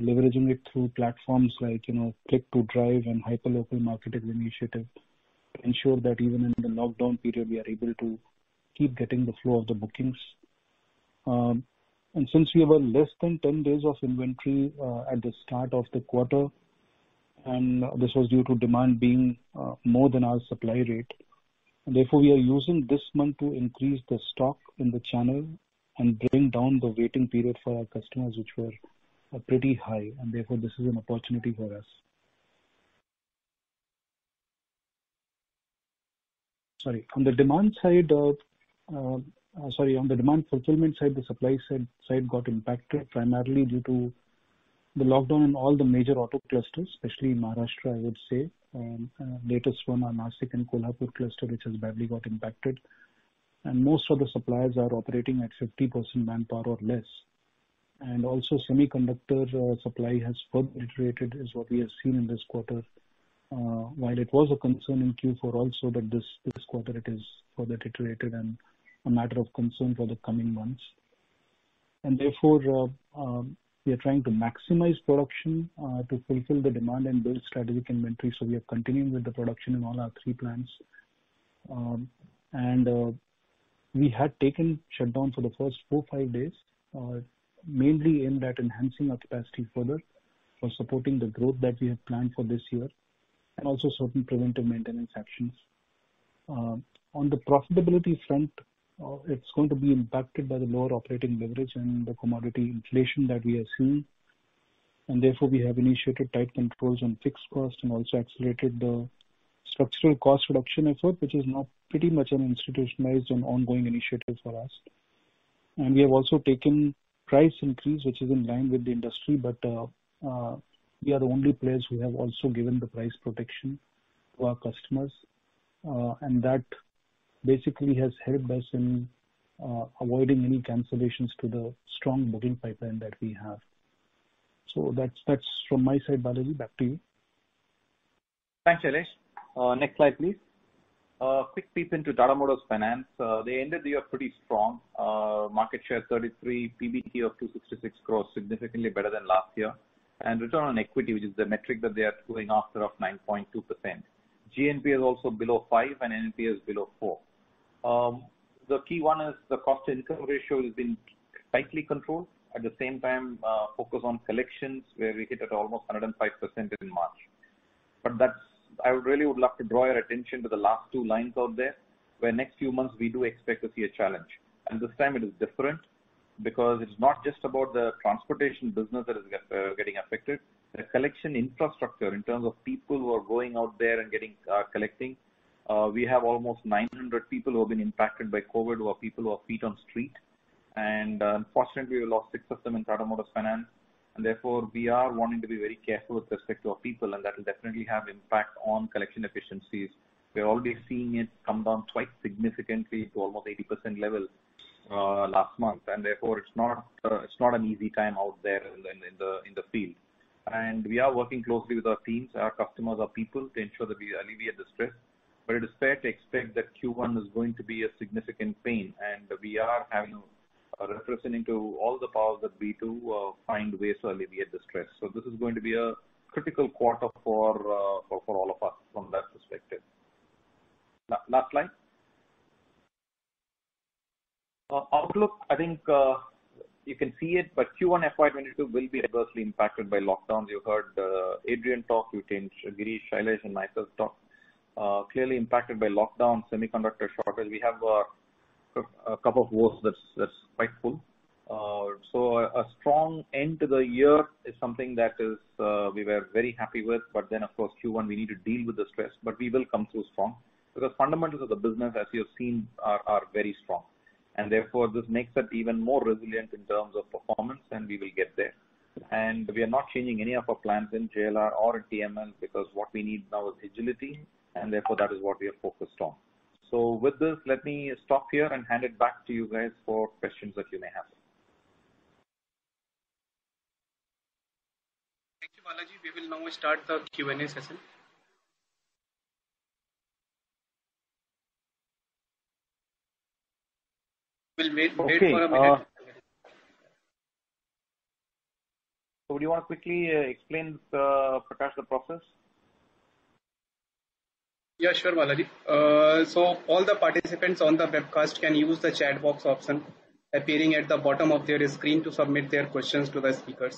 Leveraging it through platforms like Click to Drive and hyper local marketing initiatives to ensure that even in the lockdown period, we are able to keep getting the flow of the bookings. Since we have less than 10 days of inventory at the start of the quarter, and this was due to demand being more than our supply rate. Therefore, we are using this month to increase the stock in the channel and bring down the waiting period for our customers, which were pretty high, and therefore this is an opportunity for us. Sorry. On the demand fulfillment side, the supply side got impacted primarily due to the lockdown in all the major auto clusters, especially Maharashtra, I would say, latest one are Nashik and Kolhapur cluster, which has badly got impacted. Most of the suppliers are operating at 50% manpower or less. Also semiconductor supply has further iterated, is what we have seen in this quarter. While it was a concern in Q4 also, but this quarter it has further iterated and a matter of concern for the coming months. Therefore, we are trying to maximize production to fulfill the demand and build strategic inventory. We are continuing with the production in all our three plants. We had taken shutdown for the first four, five days, mainly aimed at enhancing our capacity further for supporting the growth that we have planned for this year, and also some preventive maintenance actions. On the profitability front, it's going to be impacted by the lower operating leverage and the commodity inflation that we have seen. Therefore, we have initiated tight controls on fixed costs and also accelerated the structural cost reduction effort, which is now pretty much an institutionalized and ongoing initiative for us. We have also taken price increase, which is in line with the industry, but we are the only players who have also given the price protection to our customers. That basically has helped us in avoiding any cancellations to the strong booking pipeline that we have. That's from my side, Balaji, back to you. Thanks, Shailesh. Next slide, please. Quick peek into Tata Motors Finance. They ended the year pretty strong. Market share 33%, PBT of 266 crore significantly better than last year. Return on equity, which is the metric that they are going after, of 9.2%. GNPA is also below five. NPAs below four. The key one is the cost-to-income ratio is in tightly controlled. At the same time, focus on collections, where we hit at almost 105% in March. I really would love to draw your attention to the last two lines out there, where next few months we do expect to see a challenge. This time it is different because it's not just about the transportation business that is getting affected. The collection infrastructure in terms of people who are going out there and collecting, we have almost 900 people who have been impacted by COVID, who are people who are feet on street. Unfortunately, we lost 6% in Tata Motors Finance, and therefore, we are wanting to be very careful with respect to our people, and that will definitely have impact on collection efficiencies. We have already seen it come down quite significantly to almost 80% level last month. Therefore, it's not an easy time out there in the field. We are working closely with our teams, our customers, our people to ensure that we alleviate the stress. It is fair to expect that Q1 is going to be a significant pain, and we are representing to all the powers that be to find ways to alleviate the stress. This is going to be a critical quarter for all of us from that perspective. Last slide. Outlook, I think you can see it, Q1 FY 2022 will be adversely impacted by lockdowns. You heard Adrian talk, you've heard Girish, Shailesh, and myself talk. Clearly impacted by lockdowns, semiconductor shortage. We have a cup of woes that's quite full. A strong end to the year is something that we were very happy with. Of course, Q1, we need to deal with the stress. We will come so strong because the fundamentals of the business, as you have seen, are very strong. Therefore, this makes us even more resilient in terms of performance, and we will get there. We are not changing any of our plans in JLR or TML because what we need now is agility, and therefore, that is what we are focused on. With this, let me stop here and hand it back to you guys for questions that you may have. Thank you, Balaji. We will now start the Q&A session. Okay. Do you want to quickly explain the process? Yeah, sure, Balaji. All the participants on the webcast can use the chat box option appearing at the bottom of their screen to submit their questions to the speakers.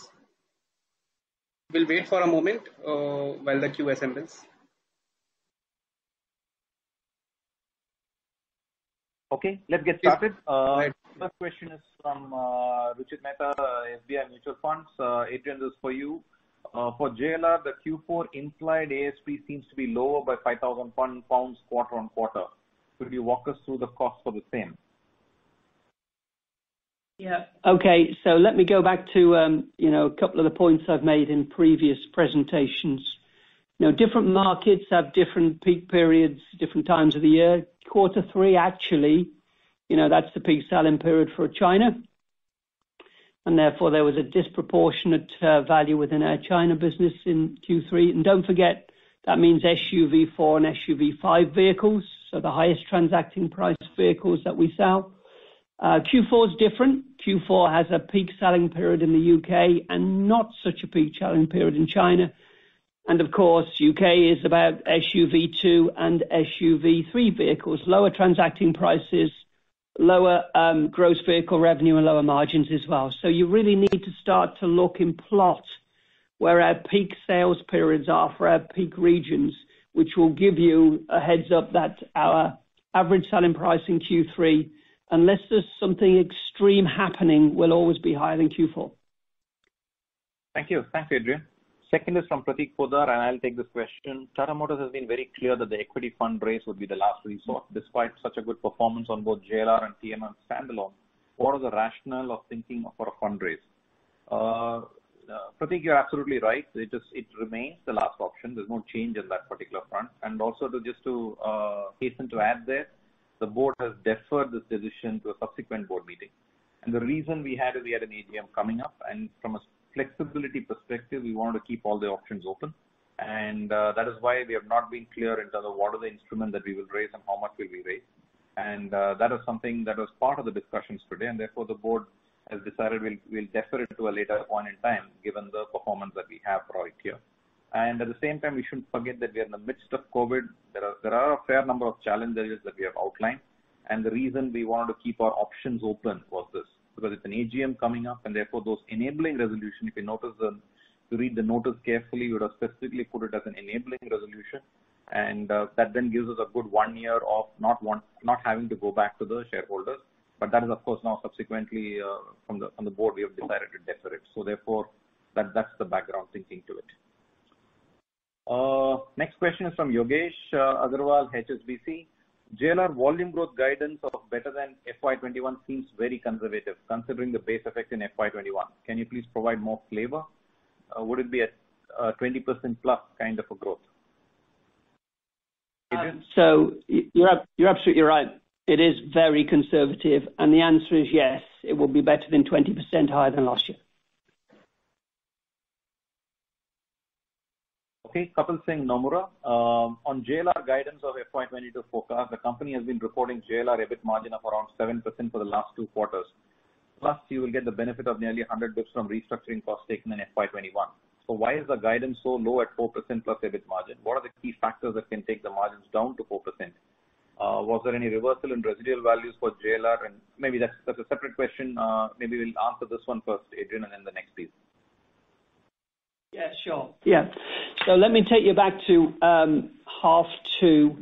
We'll wait for a moment while the queue assembles. Okay, let's get started. My first question is from Ruchit Mehta, SBI Mutual Fund. Adrian, this is for you. For JLR, the Q4 implied ASP seems to be lower by 5,000 pounds quarter-on-quarter. Could you walk us through the cause for the same? Yeah. Okay. Let me go back to a couple of the points I've made in previous presentations. Different markets have different peak periods at different times of the year. Q3, actually, that's the peak selling period for China. Therefore, there was a disproportionate value within our China business in Q3. Don't forget, that means SUV4 and SUV5 vehicles. The highest transacting price vehicles that we sell. Q4 is different. Q4 has a peak selling period in the U.K. and not such a peak selling period in China. Of course, U.K. is about SUV2 and SUV3 vehicles. Lower transacting prices, lower gross vehicle revenue and lower margins as well. You really need to start to look and plot where our peak sales periods are for our peak regions, which will give you a heads-up that our average selling price in Q3, unless there is something extreme happening, will always be higher than Q4. Thank you. Thanks, Adrian. Second is from Prateek Poddar. I'll take this question. Tata Motors has been very clear that the equity fundraise would be the last resort, despite such a good performance on both JLR and TML standalone. What is the rationale of thinking of a fundraise? Prateek, you're absolutely right. It remains the last option. There's no change in that particular front. Also, just a reason to add there, the board has deferred this decision to a subsequent board meeting. The reason we had an AGM coming up, from a flexibility perspective, we want to keep all the options open. That is why we have not been clear in terms of what are the instruments that we will raise and how much we will raise. That is something that was part of the discussions today. Therefore, the board has decided we'll defer it to a later point in time, given the performance that we have right here. At the same time, we shouldn't forget that we are in the midst of COVID. There are a fair number of challenges that we have outlined. The reason we want to keep our options open was this, because it's an AGM coming up, and therefore, those enabling resolutions, if you notice them, if you read the notice carefully, we have specifically put it as an enabling resolution. That then gives us a good one year of not having to go back to the shareholders. That is, of course, now subsequently from the board, we have decided to defer it. Therefore, that's the background thinking to it. Next question is from Yogesh Aggarwal, HSBC. JLR volume growth guidance of better than FY 2021 seems very conservative considering the base effect in FY 2021. Can you please provide more flavor? Would it be a 20% plus kind of a growth? You're absolutely right. It is very conservative. The answer is yes, it will be better than 20% higher than last year. Okay. Kapil Singh, Nomura. On JLR guidance of FY 2022 forecast, the company has been reporting JLR EBIT margin of around 7% for the last two quarters. Plus, you will get the benefit of nearly 100 basis points from restructuring costs taken in FY 2021. Why is the guidance so low at 4% plus EBIT margin? What are the key factors that can take the margins down to 4%? Was there any reversal in residual values for JLR? Maybe that's a separate question. Maybe we'll answer this one first, Adrian, then the next, please. Yeah, sure. Yeah. Let me take you back to half two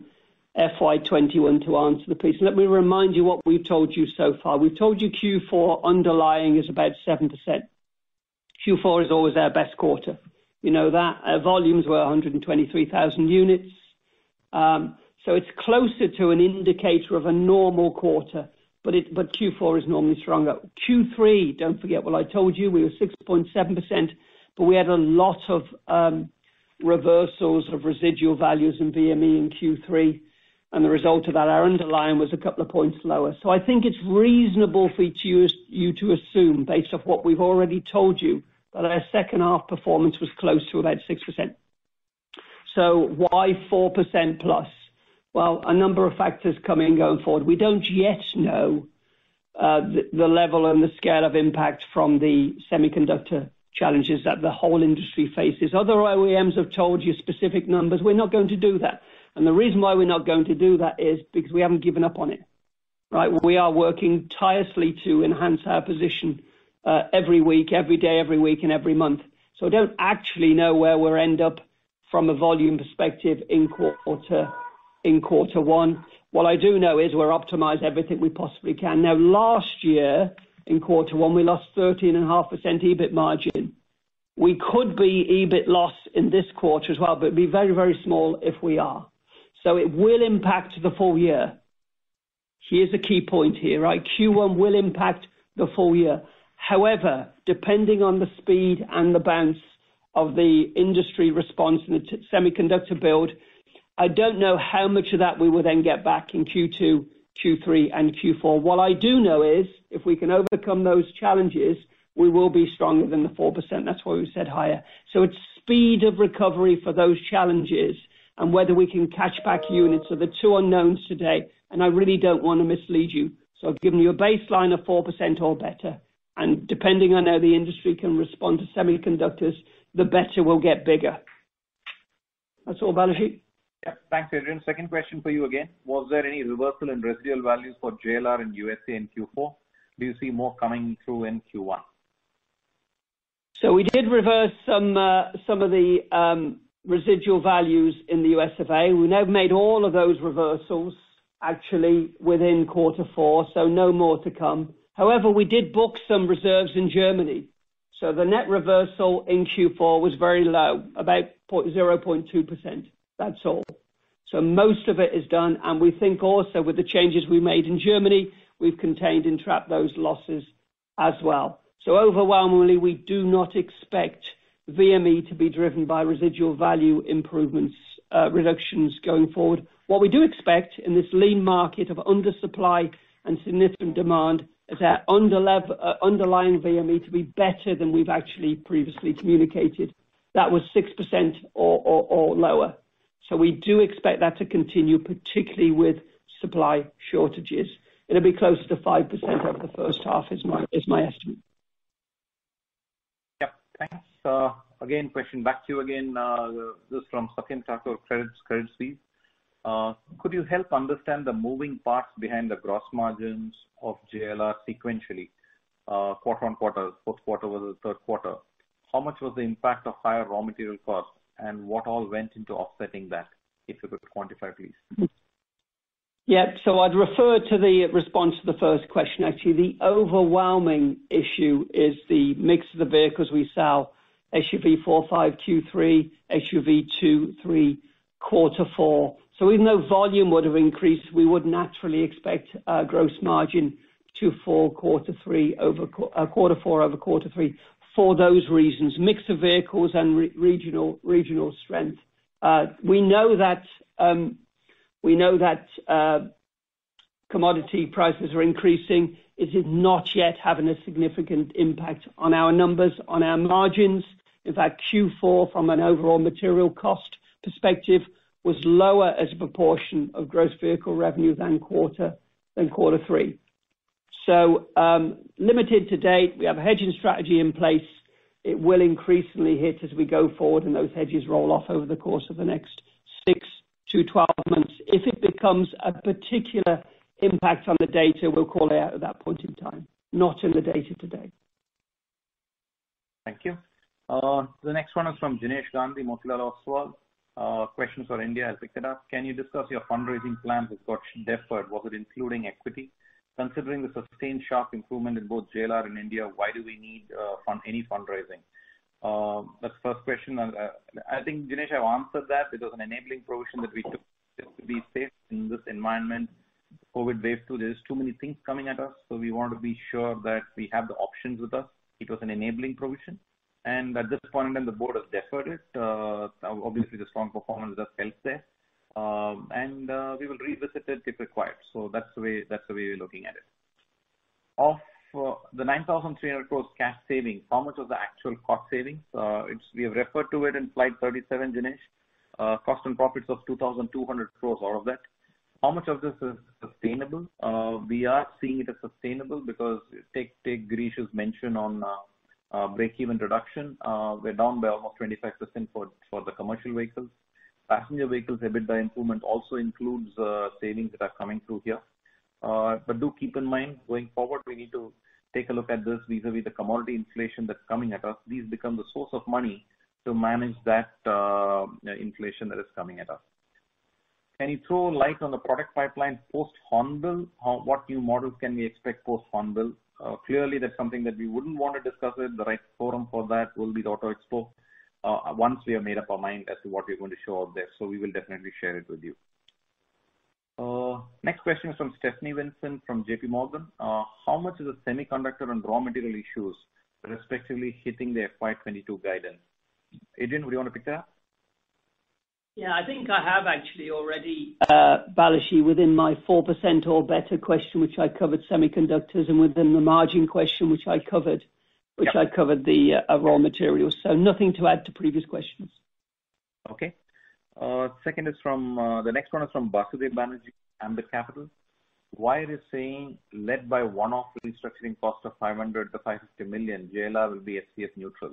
FY 2021 to answer, please. Let me remind you what we've told you so far. We told you Q4 underlying is about 7%. Q4 is always our best quarter. We know that. Our volumes were 123,000 units. It's closer to an indicator of a normal quarter, but Q4 is normally stronger. Q3, don't forget what I told you, we were 6.7%, but we had a lot of reversals of residual values in VME in Q3. The result of that, our underlying was a couple of points lower. I think it's reasonable for you to assume, based off what we've already told you, that our second half performance was close to about 6%. Why 4%+? Well, a number of factors coming going forward. We don't yet know the level and the scale of impact from the semiconductor challenges that the whole industry faces. Other OEMs have told you specific numbers. We're not going to do that. The reason why we're not going to do that is because we haven't given up on it. We are working tirelessly to enhance our position every day, every week, and every month. We don't actually know where we'll end up from a volume perspective in quarter one. What I do know is we're optimizing everything we possibly can. Last year in quarter one, we lost 13.5% EBIT margin. We could be EBIT loss in this quarter as well, but it'd be very, very small if we are. It will impact the full year. Here's a key point here. Q1 will impact the full year. However, depending on the speed and the bounce of the industry response in the semiconductor build, I don't know how much of that we will then get back in Q2, Q3, and Q4. What I do know is, if we can overcome those challenges, we will be stronger than the 4%. That's why we said higher. It's speed of recovery for those challenges and whether we can catch back units are the two unknowns today. I really don't want to mislead you. I've given you a baseline of 4% or better. Depending on how the industry can respond to semiconductors, the better will get bigger. Balaji. Yeah, thanks, Adrian. Second question for you again. Was there any reversal in residual values for JLR in U.S.A. in Q4? Do you see more coming through in Q1? We did reverse some of the residual values in the U.S.A. We never made all of those reversals actually within Q4, no more to come. We did book some reserves in Germany. The net reversal in Q4 was very low, about 0.2%. That's all. Most of it is done, and we think also with the changes we made in Germany, we've contained and trapped those losses as well. Overwhelmingly, we do not expect VME to be driven by residual value improvements reductions going forward. What we do expect in this lean market of undersupply and significant demand is our underlying VME to be better than we've actually previously communicated. That was 6% or lower. We do expect that to continue, particularly with supply shortages. It'll be closer to 5% over the first half is my estimate. Yeah, thanks. Again, question back to you again, this from Satyam Thakur, Credit Suisse. Could you help understand the moving parts behind the gross margins of JLR sequentially, quarter-on-quarter, fourth quarter over the third quarter? How much was the impact of higher raw material costs and what all went into offsetting that, if you could quantify, please? I'd refer to the response to the first question, actually. The overwhelming issue is the mix of the vehicles we sell, SUV4, SUV5, Q3, SUV2, SUV3, quarter four. Even though volume would have increased, we would naturally expect gross margin quarter four over quarter three for those reasons, mix of vehicles and regional strength. We know that commodity prices are increasing. It is not yet having a significant impact on our numbers, on our margins. In fact, Q4, from an overall material cost perspective, was lower as a proportion of gross vehicle revenue than quarter three. Limited to date. We have a hedging strategy in place. It will increasingly hit as we go forward and those hedges roll off over the course of the next 6-12 months. If it becomes a particular impact on the data, we'll call it out at that point in time, not in the data to date. Thank you. The next one is from Jinesh Gandhi, Motilal Oswal. Questions for India, if I could ask. Can you discuss your fundraising plans with what's deferred, whether including equity? Considering the sustained sharp improvement in both JLR and India, why do we need any fundraising? That's the first question. I think Jinesh, I've answered that. It was an enabling provision that we took just to be safe in this environment, COVID wave two. There's too many things coming at us, so we want to be sure that we have the options with us. It was an enabling provision, and at this point in the board has deferred it. Obviously, the strong performance has helped there, and we will revisit it if required. That's the way we're looking at it. Of the 9,300 crore cash savings, how much was the actual cost savings? We referred to it in slide 37, Jinesh. Cost and profits of 2,200 crore, all of it. How much of this is sustainable? We are seeing it as sustainable because take Girish's mention on breakeven reduction. We're down by almost 25% for the commercial vehicles. Passenger Vehicles EBITDA improvement also includes savings that are coming through here. Do keep in mind, going forward, we need to take a look at this vis-à-vis the commodity inflation that's coming at us. These become the source of money to manage that inflation that is coming at us. Any throw light on the product pipeline post-Hornbill? What new models can we expect post-Hornbill? Clearly, that's something that we wouldn't want to discuss it. The right forum for that will be the auto expo once we have made up our mind as to what we're going to show out there. We will definitely share it with you. Next question is from Stephanie Vincent from JPMorgan. How much is the semiconductor and raw material issues respectively hitting the FY 2022 guidance? Adrian, do you want to pick it up? Yeah, I think I have actually already, Balaji, within my 4% or better question, which I covered semiconductors and within the margin question, which I covered the raw materials. Nothing to add to previous questions. Okay. The next one is from Basudeb Banerjee, Ambit Capital. Why are they saying led by one-off restructuring cost of 500 million-550 million, JLR will be FCF neutral?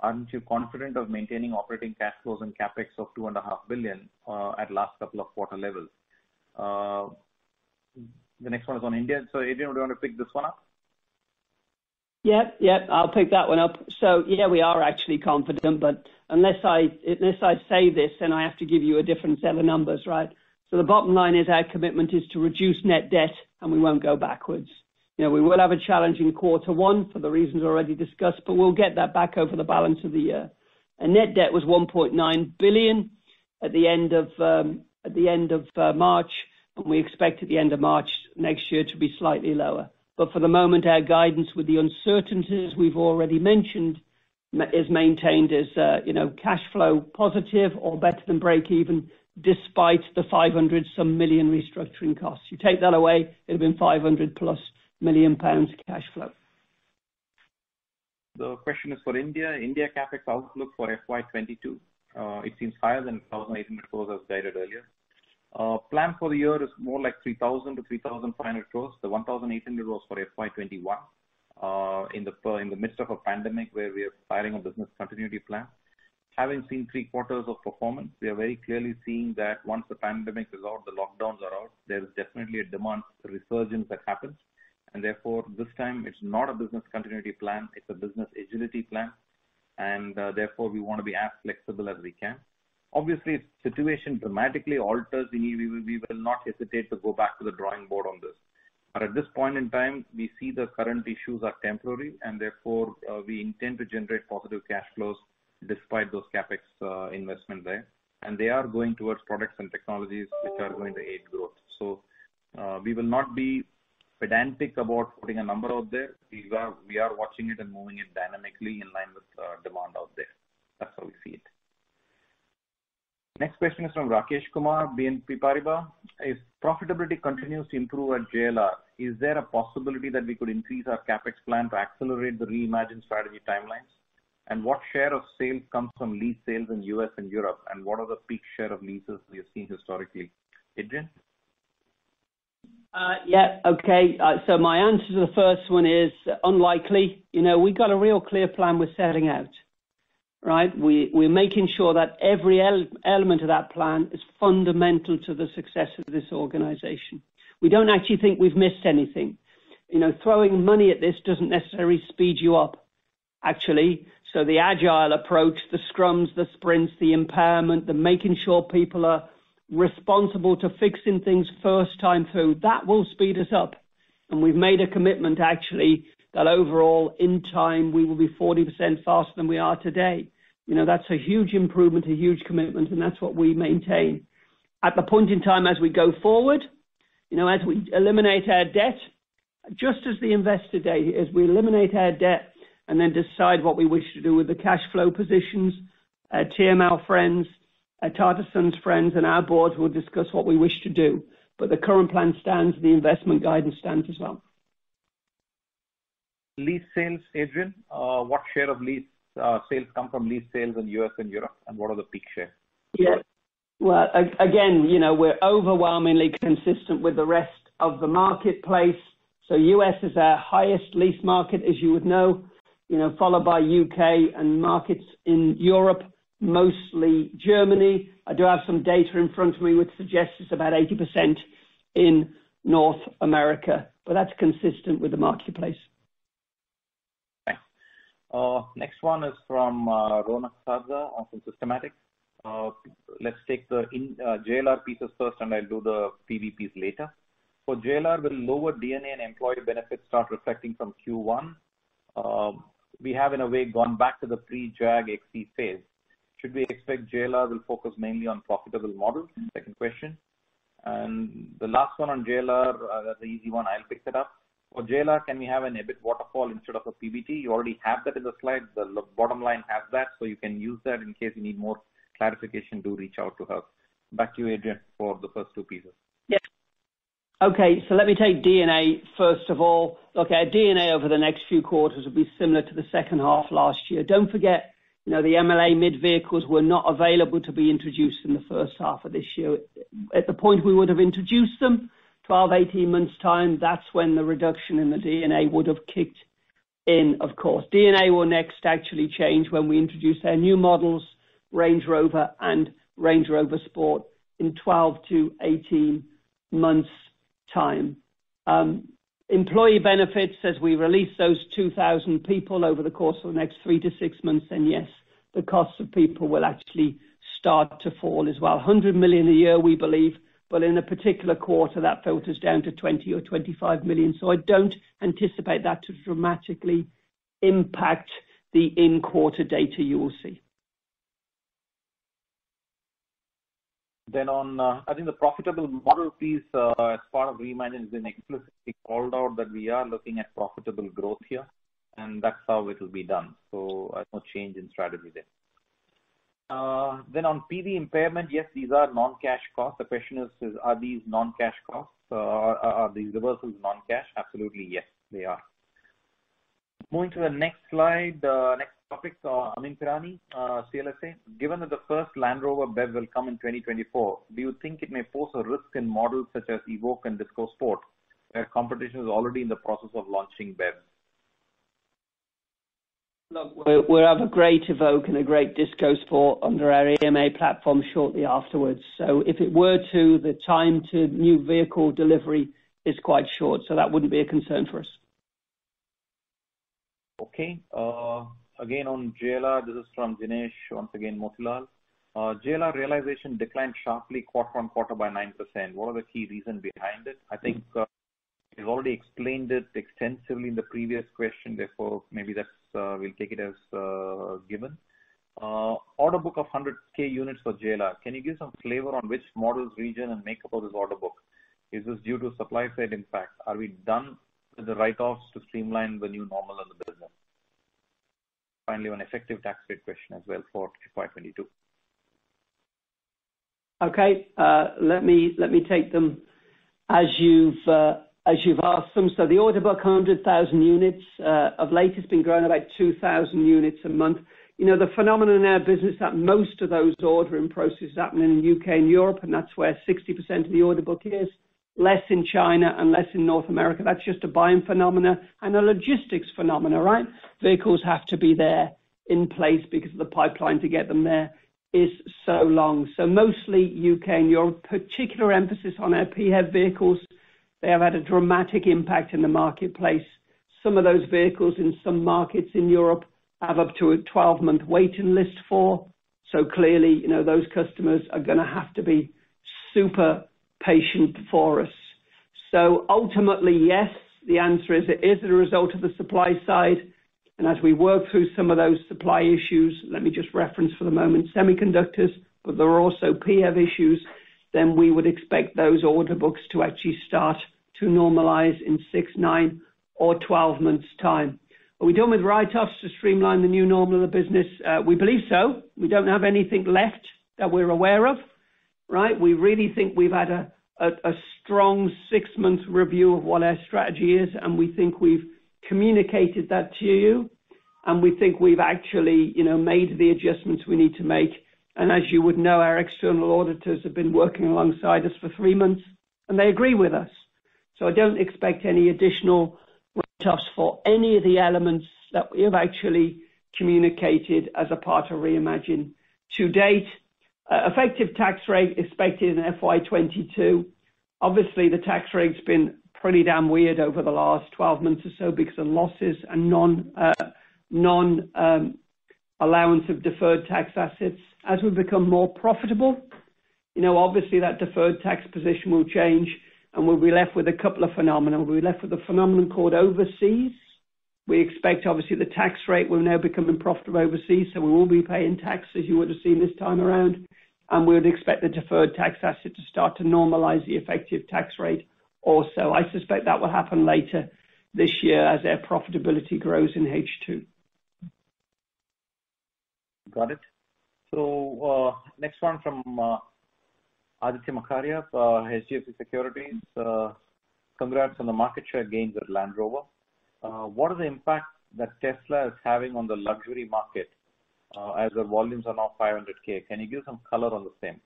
Aren't you confident of maintaining operating cash flows and CapEx of 2.5 billion at last couple of quarter levels? The next one is on India. Adrian, do you want to pick this one? Yep, I will pick that one up. Yeah, we are actually confident, but unless I say this, then I have to give you a different set of numbers, right? The bottom line is our commitment is to reduce net debt, and we won't go backwards. We will have a challenging quarter one for the reasons already discussed, but we will get that back over the balance of the year. Our net debt was 1.9 billion at the end of March, but we expect at the end of March next year to be slightly lower. For the moment, our guidance with the uncertainties we have already mentioned is maintained as cash flow positive or better than breakeven despite the 500 some million restructuring costs. You take that away, it will be 500+ million pounds cash flow. The question is for India. India CapEx outlook for FY 2022. It's been higher than 1,800 crore as stated earlier. Plan for the year is more like 3,000 crore-3,500 crore. The 1,800 crore was for FY 2021 in the midst of a pandemic where we were planning a business continuity plan. Having seen three quarters of performance, we are very clearly seeing that once the pandemic is out, the lockdowns are out, there is definitely a demand resurgence that happens. Therefore, this time it's not a business continuity plan, it's a business agility plan. Therefore, we want to be as flexible as we can. Obviously, if the situation dramatically alters, we will not hesitate to go back to the drawing board on this. At this point in time, we see the current issues are temporary and therefore we intend to generate positive cash flows despite those CapEx investment there. They are going towards products and technologies which are going to aid growth. We will not be pedantic about putting a number out there. We are watching it and moving it dynamically in line with demand out there. That's how we see it. Next question is from Rakesh Kumar, BNP Paribas. If profitability continues to improve at JLR, is there a possibility that we could increase our CapEx plan to accelerate the Reimagine strategy timelines? What share of sales comes from lease sales in U.S. and Europe, and what are the peak share of leases we have seen historically? Adrian? Yeah, okay. My answer to the first one is unlikely. We've got a real clear plan we're setting out, right? We're making sure that every element of that plan is fundamental to the success of this organization. We don't actually think we've missed anything. Throwing money at this doesn't necessarily speed you up, actually. The agile approach, the scrums, the sprints, the empowerment, the making sure people are responsible to fixing things first time through, that will speed us up. We've made a commitment, actually, that overall, in time, we will be 40% faster than we are today. That's a huge improvement, a huge commitment, and that's what we maintain. At the point in time as we go forward, as we eliminate our debt, just as the Investor Day, as we eliminate our debt and then decide what we wish to do with the cash flow positions, TML friends, Tata Sons friends, and our boards will discuss what we wish to do. The current plan stands and the investment guidance stands as well. Lease sales, Adrian. What share of lease sales come from lease sales in the U.S. and Europe? What are the peak shares? Yeah. Well, again, we're overwhelmingly consistent with the rest of the marketplace. U.S. is our highest lease market, as you would know, followed by U.K. and markets in Europe, mostly Germany. I do have some data in front of me, which suggests it's about 80% in North America. That's consistent with the marketplace. Next one is from Ronak Sarda of Systematix. Let's take the JLR piece first, and I'll do the PVPs later. For JLR, will lower D&A and employee benefits start reflecting from Q1? We have, in a way, gone back to the pre-Jag XE phase. Should we expect JLR will focus mainly on profitable models? Second question. The last one on JLR, the easy one, I'll pick it up. For JLR, can we have an EBIT waterfall instead of a PBT? You already have that in the slide. The bottom line has that, so you can use that in case you need more clarification. Do reach out to us. Back to you, Adrian, for the first two pieces. Okay, let me take D&A, first of all. Look, our D&A over the next few quarters will be similar to the second half last year. Don't forget, the MLA-Mid vehicles were not available to be introduced in the first half of this year. At the point we would have introduced them, 12-18 months' time, that's when the reduction in the D&A would have kicked in, of course. D&A will next actually change when we introduce our new models, Range Rover and Range Rover Sport, in 12-18 months' time. Employee benefits, as we release those 2,000 people over the course of the next three to six months, then yes, the cost of people will actually start to fall as well. 100 million a year, we believe, but in a particular quarter, that filters down to 20 million or 25 million. I don't anticipate that to dramatically impact the in-quarter data you will see. I think the profitable model piece, as far as Reimagine has been explicitly called out, that we are looking at profitable growth here, and that's how it will be done. PVP impairment, yes, these are non-cash costs. The question is, are these non-cash costs? Are these reversals non-cash? Absolutely, yes, they are. Moving to the next slide, next topic. Amyn Pirani, CLSA. The first Land Rover BEV will come in 2024, do you think it may pose a risk in models such as Evoque and Discovery Sport where competition is already in the process of launching BEV? Look, we'll have a great Evoque and a great Discovery Sport under our EMA platform shortly afterwards. If it were to, the time to new vehicle delivery is quite short, so that wouldn't be a concern for us. Okay. Again, on JLR, this is from Jinesh, once again, Motilal. JLR realization declined sharply quarter on quarter by 9%. What are the key reasons behind it? I think you've already explained it extensively in the previous question. Therefore, maybe we'll take it as given. Order book of 100,000 units for JLR. Can you give some flavor on which models, region, and make up of this order book? Is this due to supply chain impact? Are we done with the write-offs to streamline the new model in the business? Finally, on effective tax rate question as well for FY 2022. Okay. Let me take them as you've asked them. The order book 100,000 units of late has been growing about 2,000 units a month. The phenomenon in our business that most of those ordering processes happen in the U.K. and Europe, and that's where 60% of the order book is. Less in China, less in North America. That's just a buying phenomenon and a logistics phenomenon, right? Vehicles have to be there in place because the pipeline to get them there is so long. Mostly U.K. and Europe. Particular emphasis on our PHEV vehicles. They have had a dramatic impact in the marketplace. Some of those vehicles in some markets in Europe have up to a 12-month waiting list for. Clearly, those customers are going to have to be super patient for us. Ultimately, yes, the answer is, it is the result of the supply side, and as we work through some of those supply issues, let me just reference for the moment, semiconductors, but there are also PHEV issues, then we would expect those order books to actually start to normalize in six, nine or 12 months' time. Are we done with write-offs to streamline the new normal of the business? We believe so. We don't have anything left that we're aware of, right? We really think we've had a strong six-month review of what our strategy is, and we think we've communicated that to you, and we think we've actually made the adjustments we need to make. As you would know, our external auditors have been working alongside us for three months, and they agree with us. I don't expect any additional adjust for any of the elements that we have actually communicated as a part of Reimagine to date. Effective tax rate expected in FY 2022. Obviously, the tax rate's been pretty damn weird over the last 12 months or so because of losses and non-allowance of deferred tax assets. As we become more profitable, obviously that deferred tax position will change, and we'll be left with a couple of phenomena. We'll be left with a phenomenon called overseas. We expect, obviously, the tax rate will now become profitable overseas, so we will be paying taxes, you would have seen this time around. We would expect the deferred tax asset to start to normalize the effective tax rate also. I suspect that will happen later this year as our profitability grows in H2. Got it. Next one from Aditya Makharia, HDFC Securities. Congrats on the market share gains at Land Rover. What are the impacts that Tesla is having on the luxury market as the volumes are now 500,000? Can you give some color on the same?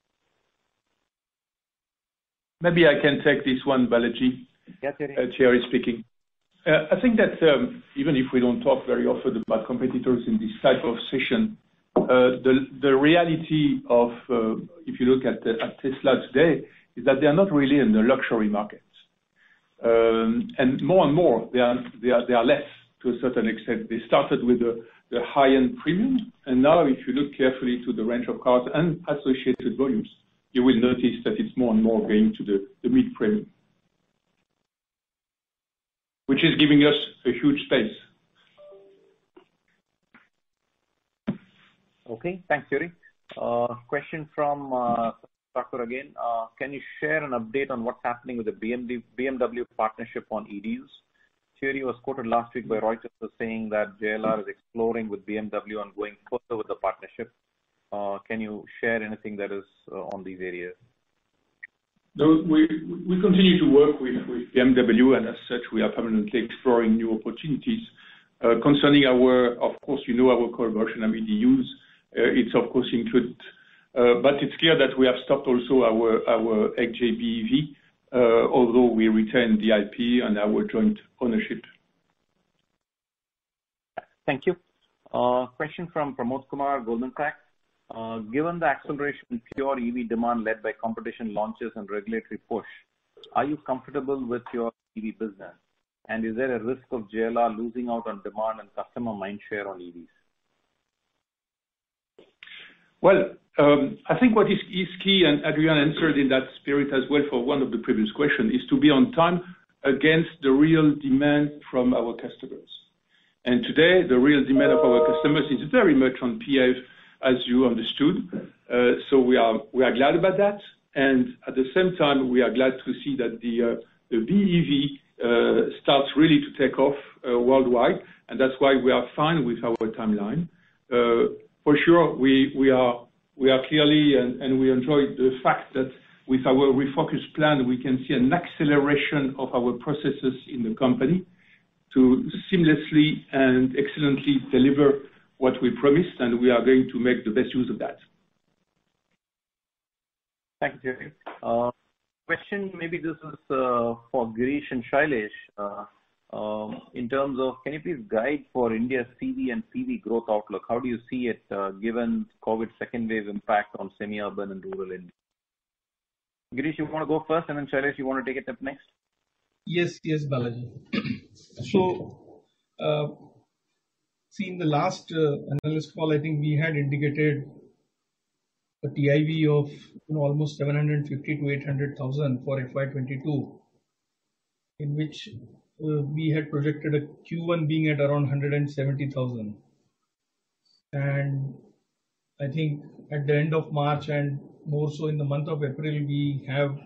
Maybe I can take this one, Balaji. Thierry speaking. I think that, even if we don't talk very often about competitors in this type of session, the reality of, if you look at Tesla today, is that they're not really in the luxury market. More and more, they are less, to a certain extent. They started with the high-end premium, and now if you look carefully to the range of cars and associated volumes, you will notice that it's more and more going to the mid-premium. Which is giving us a huge space. Okay, thanks, Thierry. A question from Thakur again. Can you share an update on what's happening with the BMW partnership on EDUs? Thierry was quoted last week by Reuters as saying that JLR is exploring with BMW on going further with the partnership. Can you share anything that is on these areas? No, we continue to work with BMW, and as such, we are permanently exploring new opportunities. Concerning our, of course, you know our co-development on EDUs, it's of course included. It's clear that we have stopped also our HEV, although we retain the IP and our joint ownership. Thank you. Question from Pramod Kumar, Goldman Sachs. Given the acceleration in pure EV demand led by competition launches and regulatory push, are you comfortable with your EV business? Is there a risk of JLR losing out on demand and customer mind share on EVs? I think what is key, and Adrian answered in that spirit as well for one of the previous questions, is to be on time against the real demand from our customers. Today, the real demand of our customers is very much on PHEV, as you understood. We are glad about that, and at the same time, we are glad to see that the BEV starts really to take off worldwide, and that's why we are fine with our timeline. For sure, we are clearly, and we enjoy the fact that with our Refocus plan, we can see an acceleration of our processes in the company to seamlessly and excellently deliver what we promised, and we are going to make the best use of that. Thanks, Thierry. Question. Maybe this is for Girish and Shailesh. In terms of, can you please guide for India CV and PV growth outlook? How do you see it, given COVID second wave impact on semi-urban and rural India? Girish, you want to go first, and then Shailesh, you want to take it up next? Yes, Balaji. Seeing the last analyst call, I think we had indicated a TIV of almost 750,000 to 800,000 for FY 2022, in which we had predicted a Q1 being at around 170,000. I think at the end of March, and more so in the month of April, we have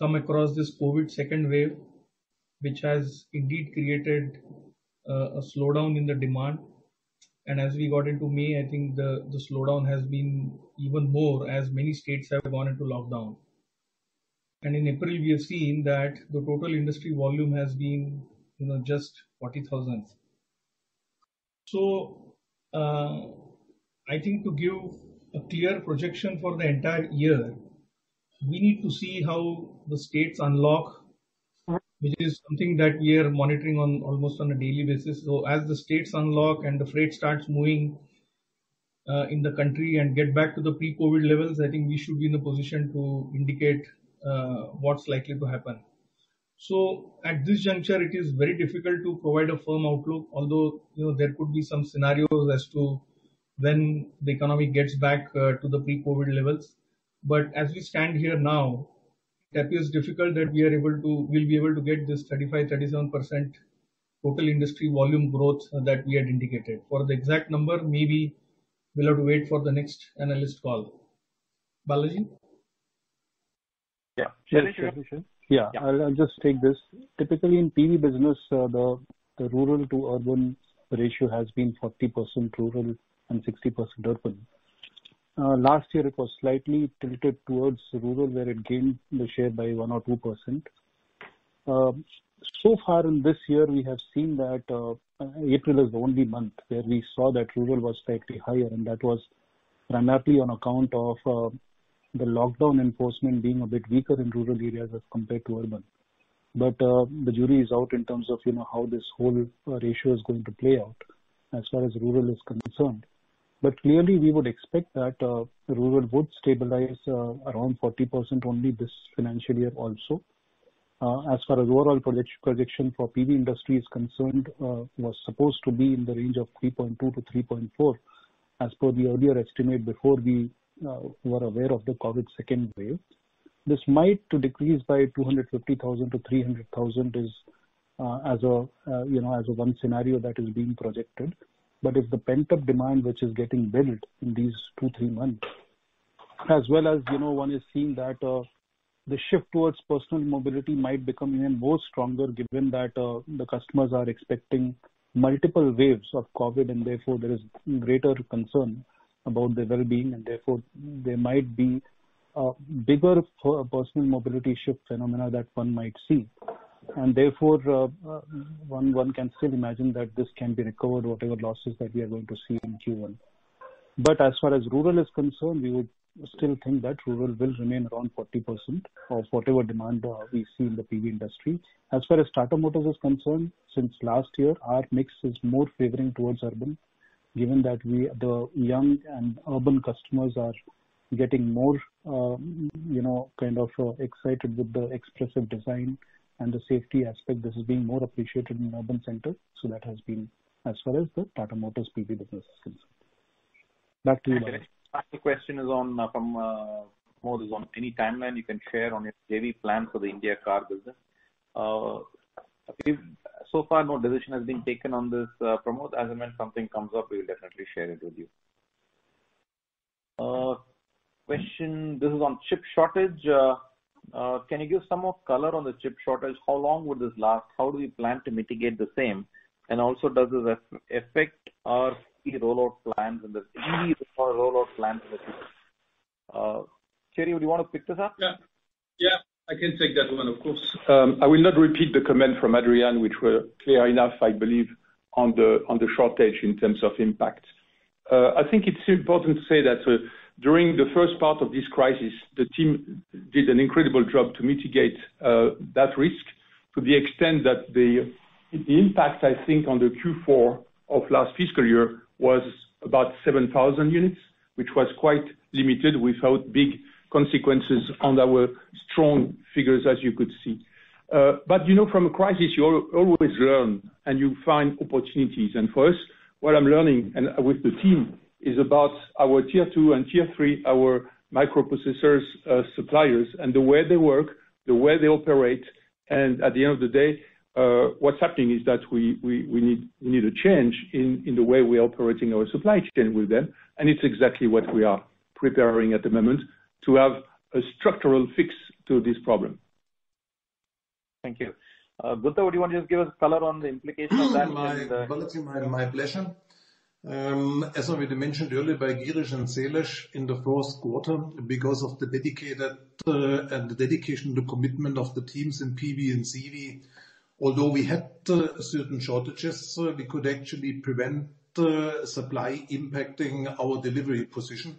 come across this COVID second wave. Which has indeed created a slowdown in the demand. As we got into May, I think the slowdown has been even more as many states have gone into lockdown. In April, we have seen that the total industry volume has been just 40,000. I think to give a clear projection for the entire year, we need to see how the states unlock, which is something that we are monitoring almost on a daily basis. As the states unlock and the freight starts moving in the country and get back to the pre-COVID levels, I think we should be in a position to indicate what's likely to happen. At this juncture, it is very difficult to provide a firm outlook, although there could be some scenarios as to when the economy gets back to the pre-COVID levels. As we stand here now, it is difficult that we'll be able to get this 35%-37% total industry volume growth that we had indicated. For the exact number, maybe we'll have to wait for the next analyst call. Balaji? Yes. Shailesh? Yeah. I'll just take this. Typically, in PV business, the rural to urban ratio has been 40% rural and 60% urban. Last year, it was slightly tilted towards rural, where it gained a share by 1% or 2%. So far in this year, we have seen that April is the only month where we saw that rural was slightly higher, and that was mainly on account of the lockdown enforcement being a bit weaker in rural areas as compared to urban. The jury is out in terms of how this whole ratio is going to play out as far as rural is concerned. Clearly, we would expect that rural would stabilize around 40% only this financial year also. As far as overall prediction for PV industry is concerned, was supposed to be in the range of 3.2 to 3.4 as per the earlier estimate before we were aware of the COVID second wave. This might decrease by 250,000 to 300,000 as one scenario that is being projected. If the pent-up demand which is getting built in these two, three months, as well as one is seeing that the shift towards personal mobility might become even more stronger given that the customers are expecting multiple waves of COVID and therefore there is greater concern about their well-being and therefore there might be a bigger personal mobility shift phenomena that one might see. Therefore, one can still imagine that this can be recovered, whatever losses that we are going to see in Q1. As far as rural is concerned, we would still think that rural will remain around 40% of whatever demand we see in the PV industry. As far as Tata Motors is concerned, since last year, our mix is more favoring towards urban, given that the young and urban customers are getting more kind of excited with the expressive design and the safety aspect that is being more appreciated in urban centers. That has been as far as the Tata Motors PV business is concerned. Back to you, Balaji. Next question is from Pramod, on any timeline you can share on your JV plan for the India car business. So far, no decision has been taken on this, Pramod. As and when something comes up, we'll definitely share it with you. Question, this is on chip shortage. Can you give some more color on the chip shortage? How long will this last? How do we plan to mitigate the same? Also, does this affect our CV roll-out plans and the CV roll-out plans? Thierry, you want to pick this up? Yeah, I can take that one, of course. I will not repeat the comment from Adrian, which were clear enough, I believe, on the shortage in terms of impact. I think it is important to say that during the first part of this crisis, the team did an incredible job to mitigate that risk to the extent that the impact, I think, on the Q4 of last fiscal year was about 7,000 units, which was quite limited without big consequences on our strong figures, as you could see. But from a crisis, you always learn, and you find opportunities. And for us, what I am learning with the team is about our Tier 2 and Tier 3, our microprocessor suppliers, and the way they work, the way they operate. At the end of the day, what's happening is that we need a change in the way we are operating our supply chain with them. It's exactly what we are preparing at the moment to have a structural fix to this problem. Thank you. Guenter, do you want to give us color on the implication of that in the? Balaji, my pleasure. As already mentioned earlier by Girish and Shailesh, in the first quarter, because of the dedication, the commitment of the teams in PV and CV, although we had certain shortages, we could actually prevent supply impacting our delivery position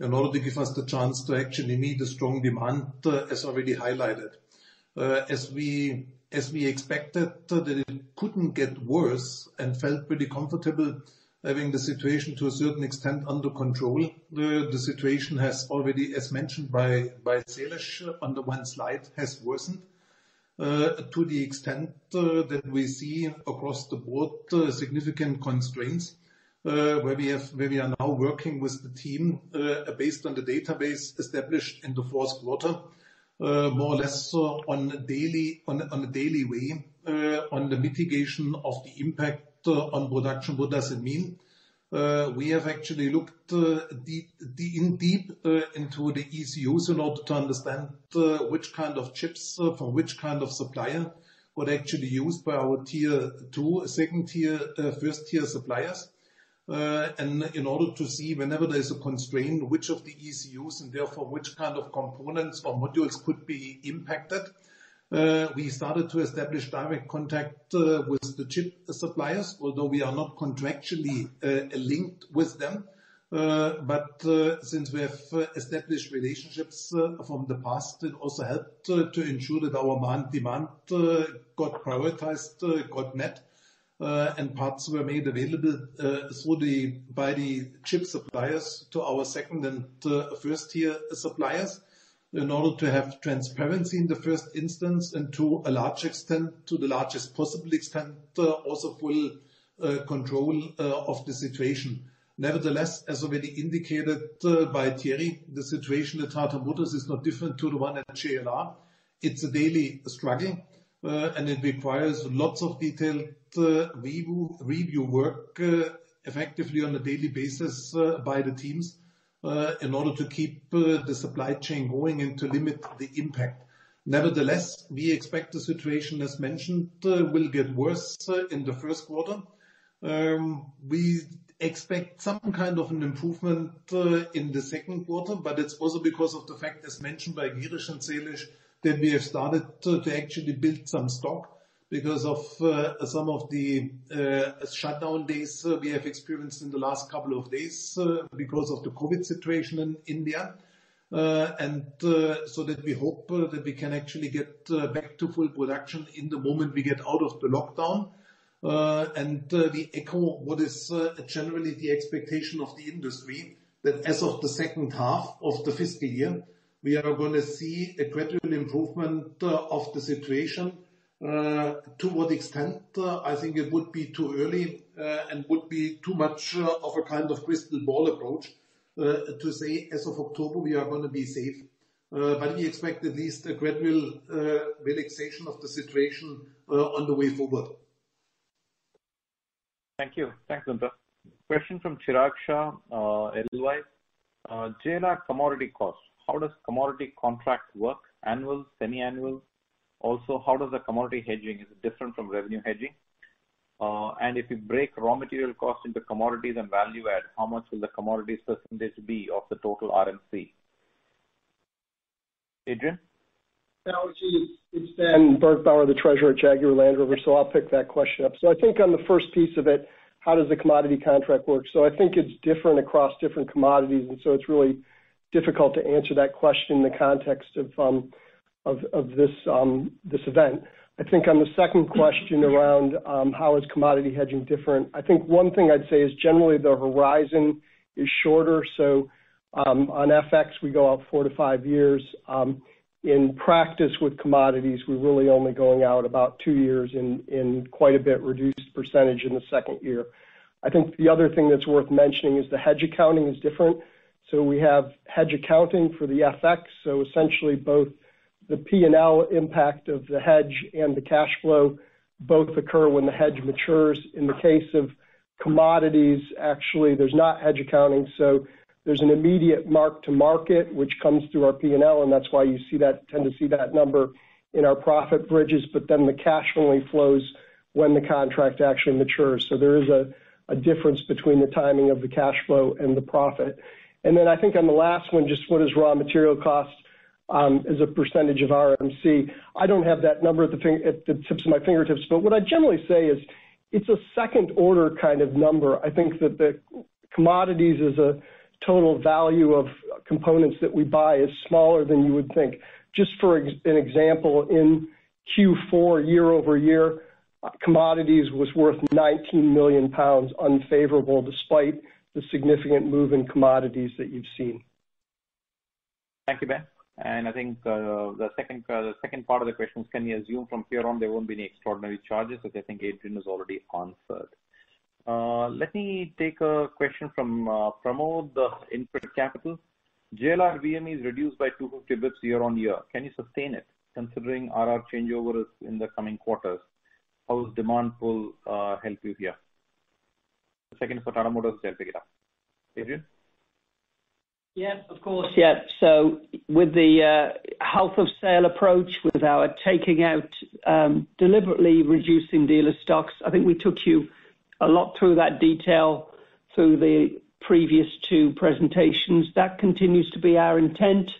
in order to give us the chance to actually meet a strong demand, as already highlighted. As we expected that it couldn't get worse and felt pretty comfortable having the situation to a certain extent under control. The situation has already, as mentioned by Shailesh on the one slide, has worsened to the extent that we see across the board significant constraints, where we are now working with the team based on the database established in the first quarter, more or less on a daily way on the mitigation of the impact on production. What does it mean? We have actually looked deep into the ECUs in order to understand which kind of chips from which kind of supplier were actually used by our Tier 2, second tier, first tier suppliers. In order to see whenever there's a constraint, which of the ECUs and therefore which kind of components or modules could be impacted. We started to establish direct contact with the chip suppliers, although we are not contractually linked with them. Since we have established relationships from the past, it also helped to ensure that our demand got prioritized, got met, and parts were made available by the chip suppliers to our second and first tier suppliers in order to have transparency in the first instance, and to a large extent, to the largest possible extent, also full control of the situation. Nevertheless, as already indicated by Thierry, the situation at Tata Motors is not different to the one at JLR. It's a daily struggle, it requires lots of detailed review work effectively on a daily basis by the teams, in order to keep the supply chain going and to limit the impact. Nevertheless, we expect the situation, as mentioned, will get worse in the first quarter. We expect some kind of an improvement in the second quarter, but it's also because of the fact, as mentioned by Girish and Shailesh, that we have started to actually build some stock because of some of the shutdown days we have experienced in the last couple of days because of the COVID situation in India. That we hope that we can actually get back to full production in the moment we get out of the lockdown. We echo what is generally the expectation of the industry, that as of the second half of the fiscal year, we are going to see a gradual improvement of the situation. To what extent? I think it would be too early and would be too much of a kind of crystal ball approach to say as of October we are going to be safe. We expect at least a gradual relaxation of the situation on the way forward. Thank you. Thanks, Guenter. Question from Chirag Shah, Edelweiss. JLR commodity cost. How does commodity contract work? Annual, semiannual? How does the commodity hedging is different from revenue hedging? If you break raw material cost into commodity, then value add, how much will the commodity substance base be of the total RMC? Adrian? It's Ben Birgbauer, the Treasurer at Jaguar Land Rover. I'll pick that question up. I think on the first piece of it, how does the commodity contract work? I think it's different across different commodities, it's really difficult to answer that question in the context of this event. I think on the second question around how is commodity hedging different, I think one thing I'd say is generally the horizon is shorter. On FX, we go out four to five years. In practice with commodities, we're really only going out about two years and quite a bit reduced percentage in the second year. I think the other thing that's worth mentioning is the hedge accounting is different. We have hedge accounting for the FX. Essentially both the P&L impact of the hedge and the cash flow both occur when the hedge matures. In the case of commodities, actually, there's not hedge accounting, so there's an immediate mark to market, which comes through our P&L, and that's why you see that tendency, that number in our profit bridges, but then the cash only flows when the contract actually matures. There is a difference between the timing of the cash flow and the profit. Then I think on the last one, just what is raw material cost as a percentage of RMC. I don't have that number at the tips of my fingertips, but what I generally say is it's a second order kind of number. I think that the commodities as a total value of components that we buy is smaller than you would think. Just for an example, in Q4, year-over-year, commodities was worth 19 million pounds unfavorable despite the significant move in commodities that you've seen. Thank you, Ben. I think the second part of the question, can you assume from here on there won't be any extraordinary charges? I think Adrian has already answered. Let me take a question from Pramod of InCred Capital. JLR VME reduced by 250 basis points year-on-year. Can you sustain it considering RR changeovers in the coming quarters? How will demand pull help you here? The second part for Tata Motors, I will take it up. Adrian? Yes, of course. Yeah. With the health of sale approach, with our taking out, deliberately reducing dealer stocks, I think we took you a lot through that detail through the previous two presentations. That continues to be our intent.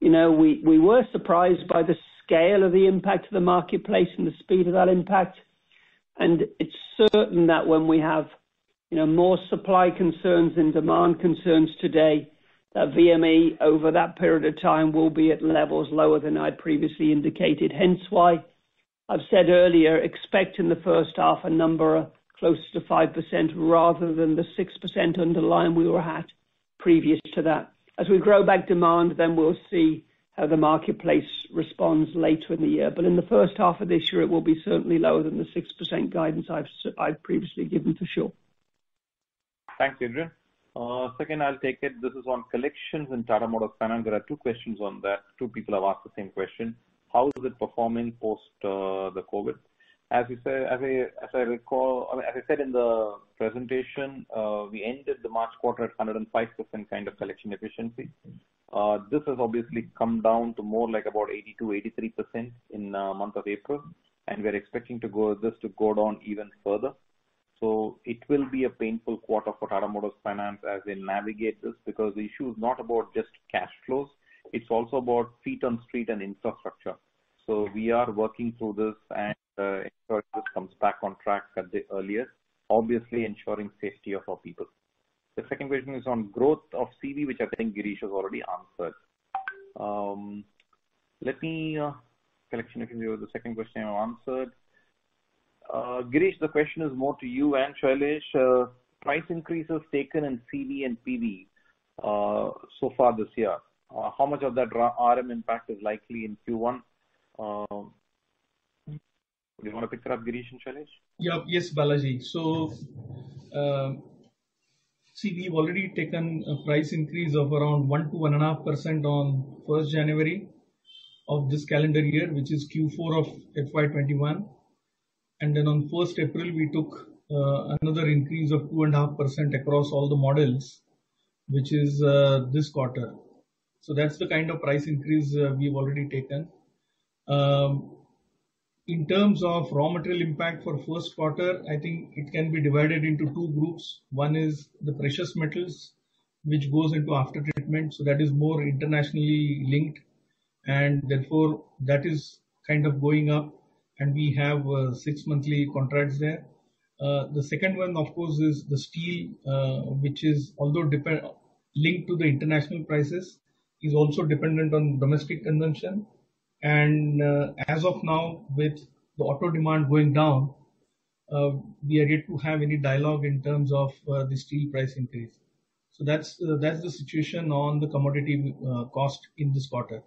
We were surprised by the scale of the impact of the marketplace and the speed of that impact, and it's certain that when we have more supply concerns and demand concerns today, that VME over that period of time will be at levels lower than I previously indicated. Hence why I've said earlier, expect in the first half a number closer to 5% rather than the 6% underlying we were at previous to that. As we grow back demand, then we'll see how the marketplace responds later in the year. In the first half of this year, it will be certainly lower than the 6% guidance I've previously given for sure. Thanks, Adrian. Second, I will take it. This is on collections in Tata Motors Finance. There are two questions on that. Two people have asked the same question. How is it performing post the COVID? As I said in the presentation, we ended the March quarter at 105% kind of collection efficiency. This has obviously come down to more like about 82%, 83% in the month of April, and we are expecting this to go down even further. It will be a painful quarter for Tata Motors Finance as they navigate this because the issue is not about just cash flows, it is also about feet on street and infrastructure. We are working through this and ensure this comes back on track as earlier, obviously ensuring safety of our people. The second question is on growth of CV, which I think Girish, has already answered. Let me, [collection] the second question you answered. Girish, the question is more to you and Shailesh. Price increases taken in CV and PV so far this year. How much of that raw material impact is likely in Q1? Do you want to pick it up, Girish and Shailesh? Yes, Balaji. CV already taken a price increase of around 1%-1.5% on 1st January of this calendar year, which is Q4 of FY 2021. On 1st April, we took another increase of 2.5% across all the models, which is this quarter. That's the kind of price increase we've already taken. In terms of raw material impact for first quarter, I think it can be divided into two groups. One is the precious metals, which goes into after treatment, so that is more internationally linked, and therefore that is kind of going up, and we have six monthly contracts there. The second one, of course, is the steel, which is although linked to the international prices, is also dependent on domestic consumption. As of now, with the auto demand going down, we are yet to have any dialogue in terms of the steel price increase. That's the situation on the commodity cost in this quarter.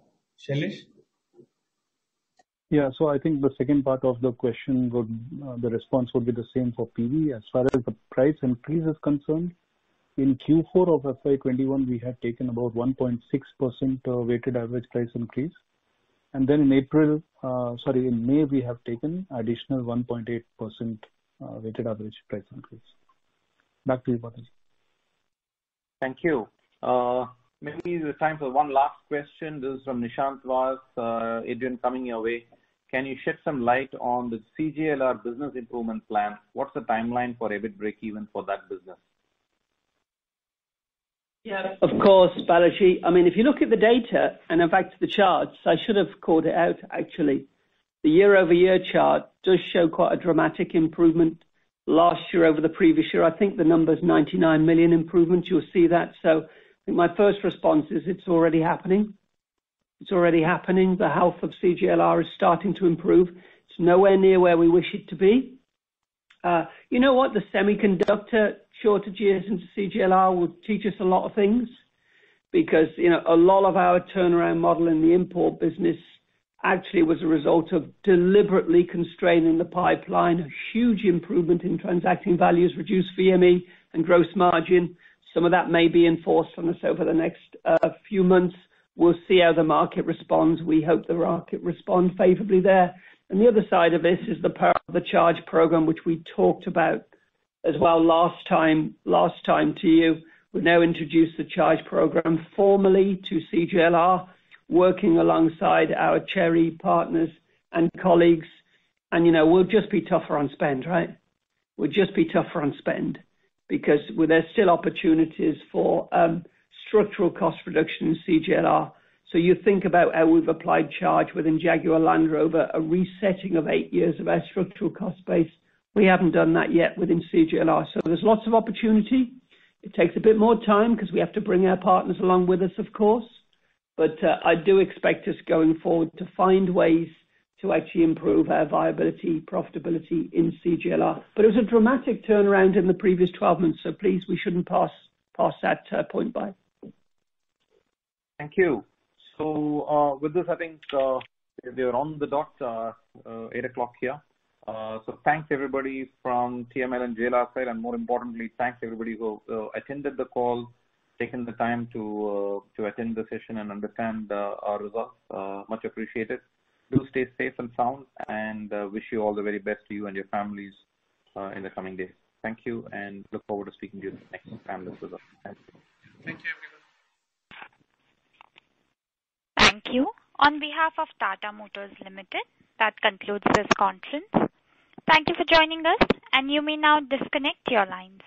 Shailesh? Yeah. I think the second part of the question, the response will be the same for PV. As far as the price increase is concerned, in Q4 of FY 2021, we have taken about 1.6% weighted average price increase. In May, we have taken additional 1.8% weighted average price increase. Back to you, Balaji. Thank you. Maybe we have time for one last question. This is from Nishant Vass. Adrian, coming your way. Can you shed some light on the CJLR business improvement plan? What's the timeline for EBIT break even for that business? Of course, Balaji. If you look at the data and back to the charts, I should have called it out actually. The year-over-year chart does show quite a dramatic improvement last year over the previous year. I think the number is 99 million improvements, you'll see that. My first response is it's already happening. The health of CJLR is starting to improve. It's nowhere near where we wish it to be. You know what? The semiconductor shortages of CJLR will teach us a lot of things because a lot of our turnaround model in the import business actually was a result of deliberately constraining the pipeline. A huge improvement in transacting values, reduced VME and gross margin. Some of that may be enforced on us over the next few months. We'll see how the market responds. We hope the market responds favorably there. The other side of this is the Project Charge program, which we talked about as well last time to you. We now introduce the Project Charge program formally to CJLR, working alongside our Chery partners and colleagues. We'll just be tougher on spend, right? We'll just be tougher on spend because there are still opportunities for structural cost reduction in CJLR. You think about how we've applied Project Charge within Jaguar Land Rover, a resetting of eight years of our structural cost base. We haven't done that yet within CJLR. There's lots of opportunity. It takes a bit more time because we have to bring our partners along with us, of course. I do expect us going forward to find ways to actually improve our viability, profitability in CJLR. It's a dramatic turnaround in the previous 12 months, so please, we shouldn't pass that point by. Thank you. With this, I think we are on the dot 8:00 P.M. here. Thanks everybody from TML and JLR side, and more importantly, thanks everybody who attended the call, taking the time to attend the session and understand our results. Much appreciated. Do stay safe and sound, and wish you all the very best to you and your families in the coming days. Thank you, and look forward to speaking to you next time as well. Thank you. Thank you. On behalf of Tata Motors Limited, that concludes this conference. Thank you for joining us, and you may now disconnect your lines.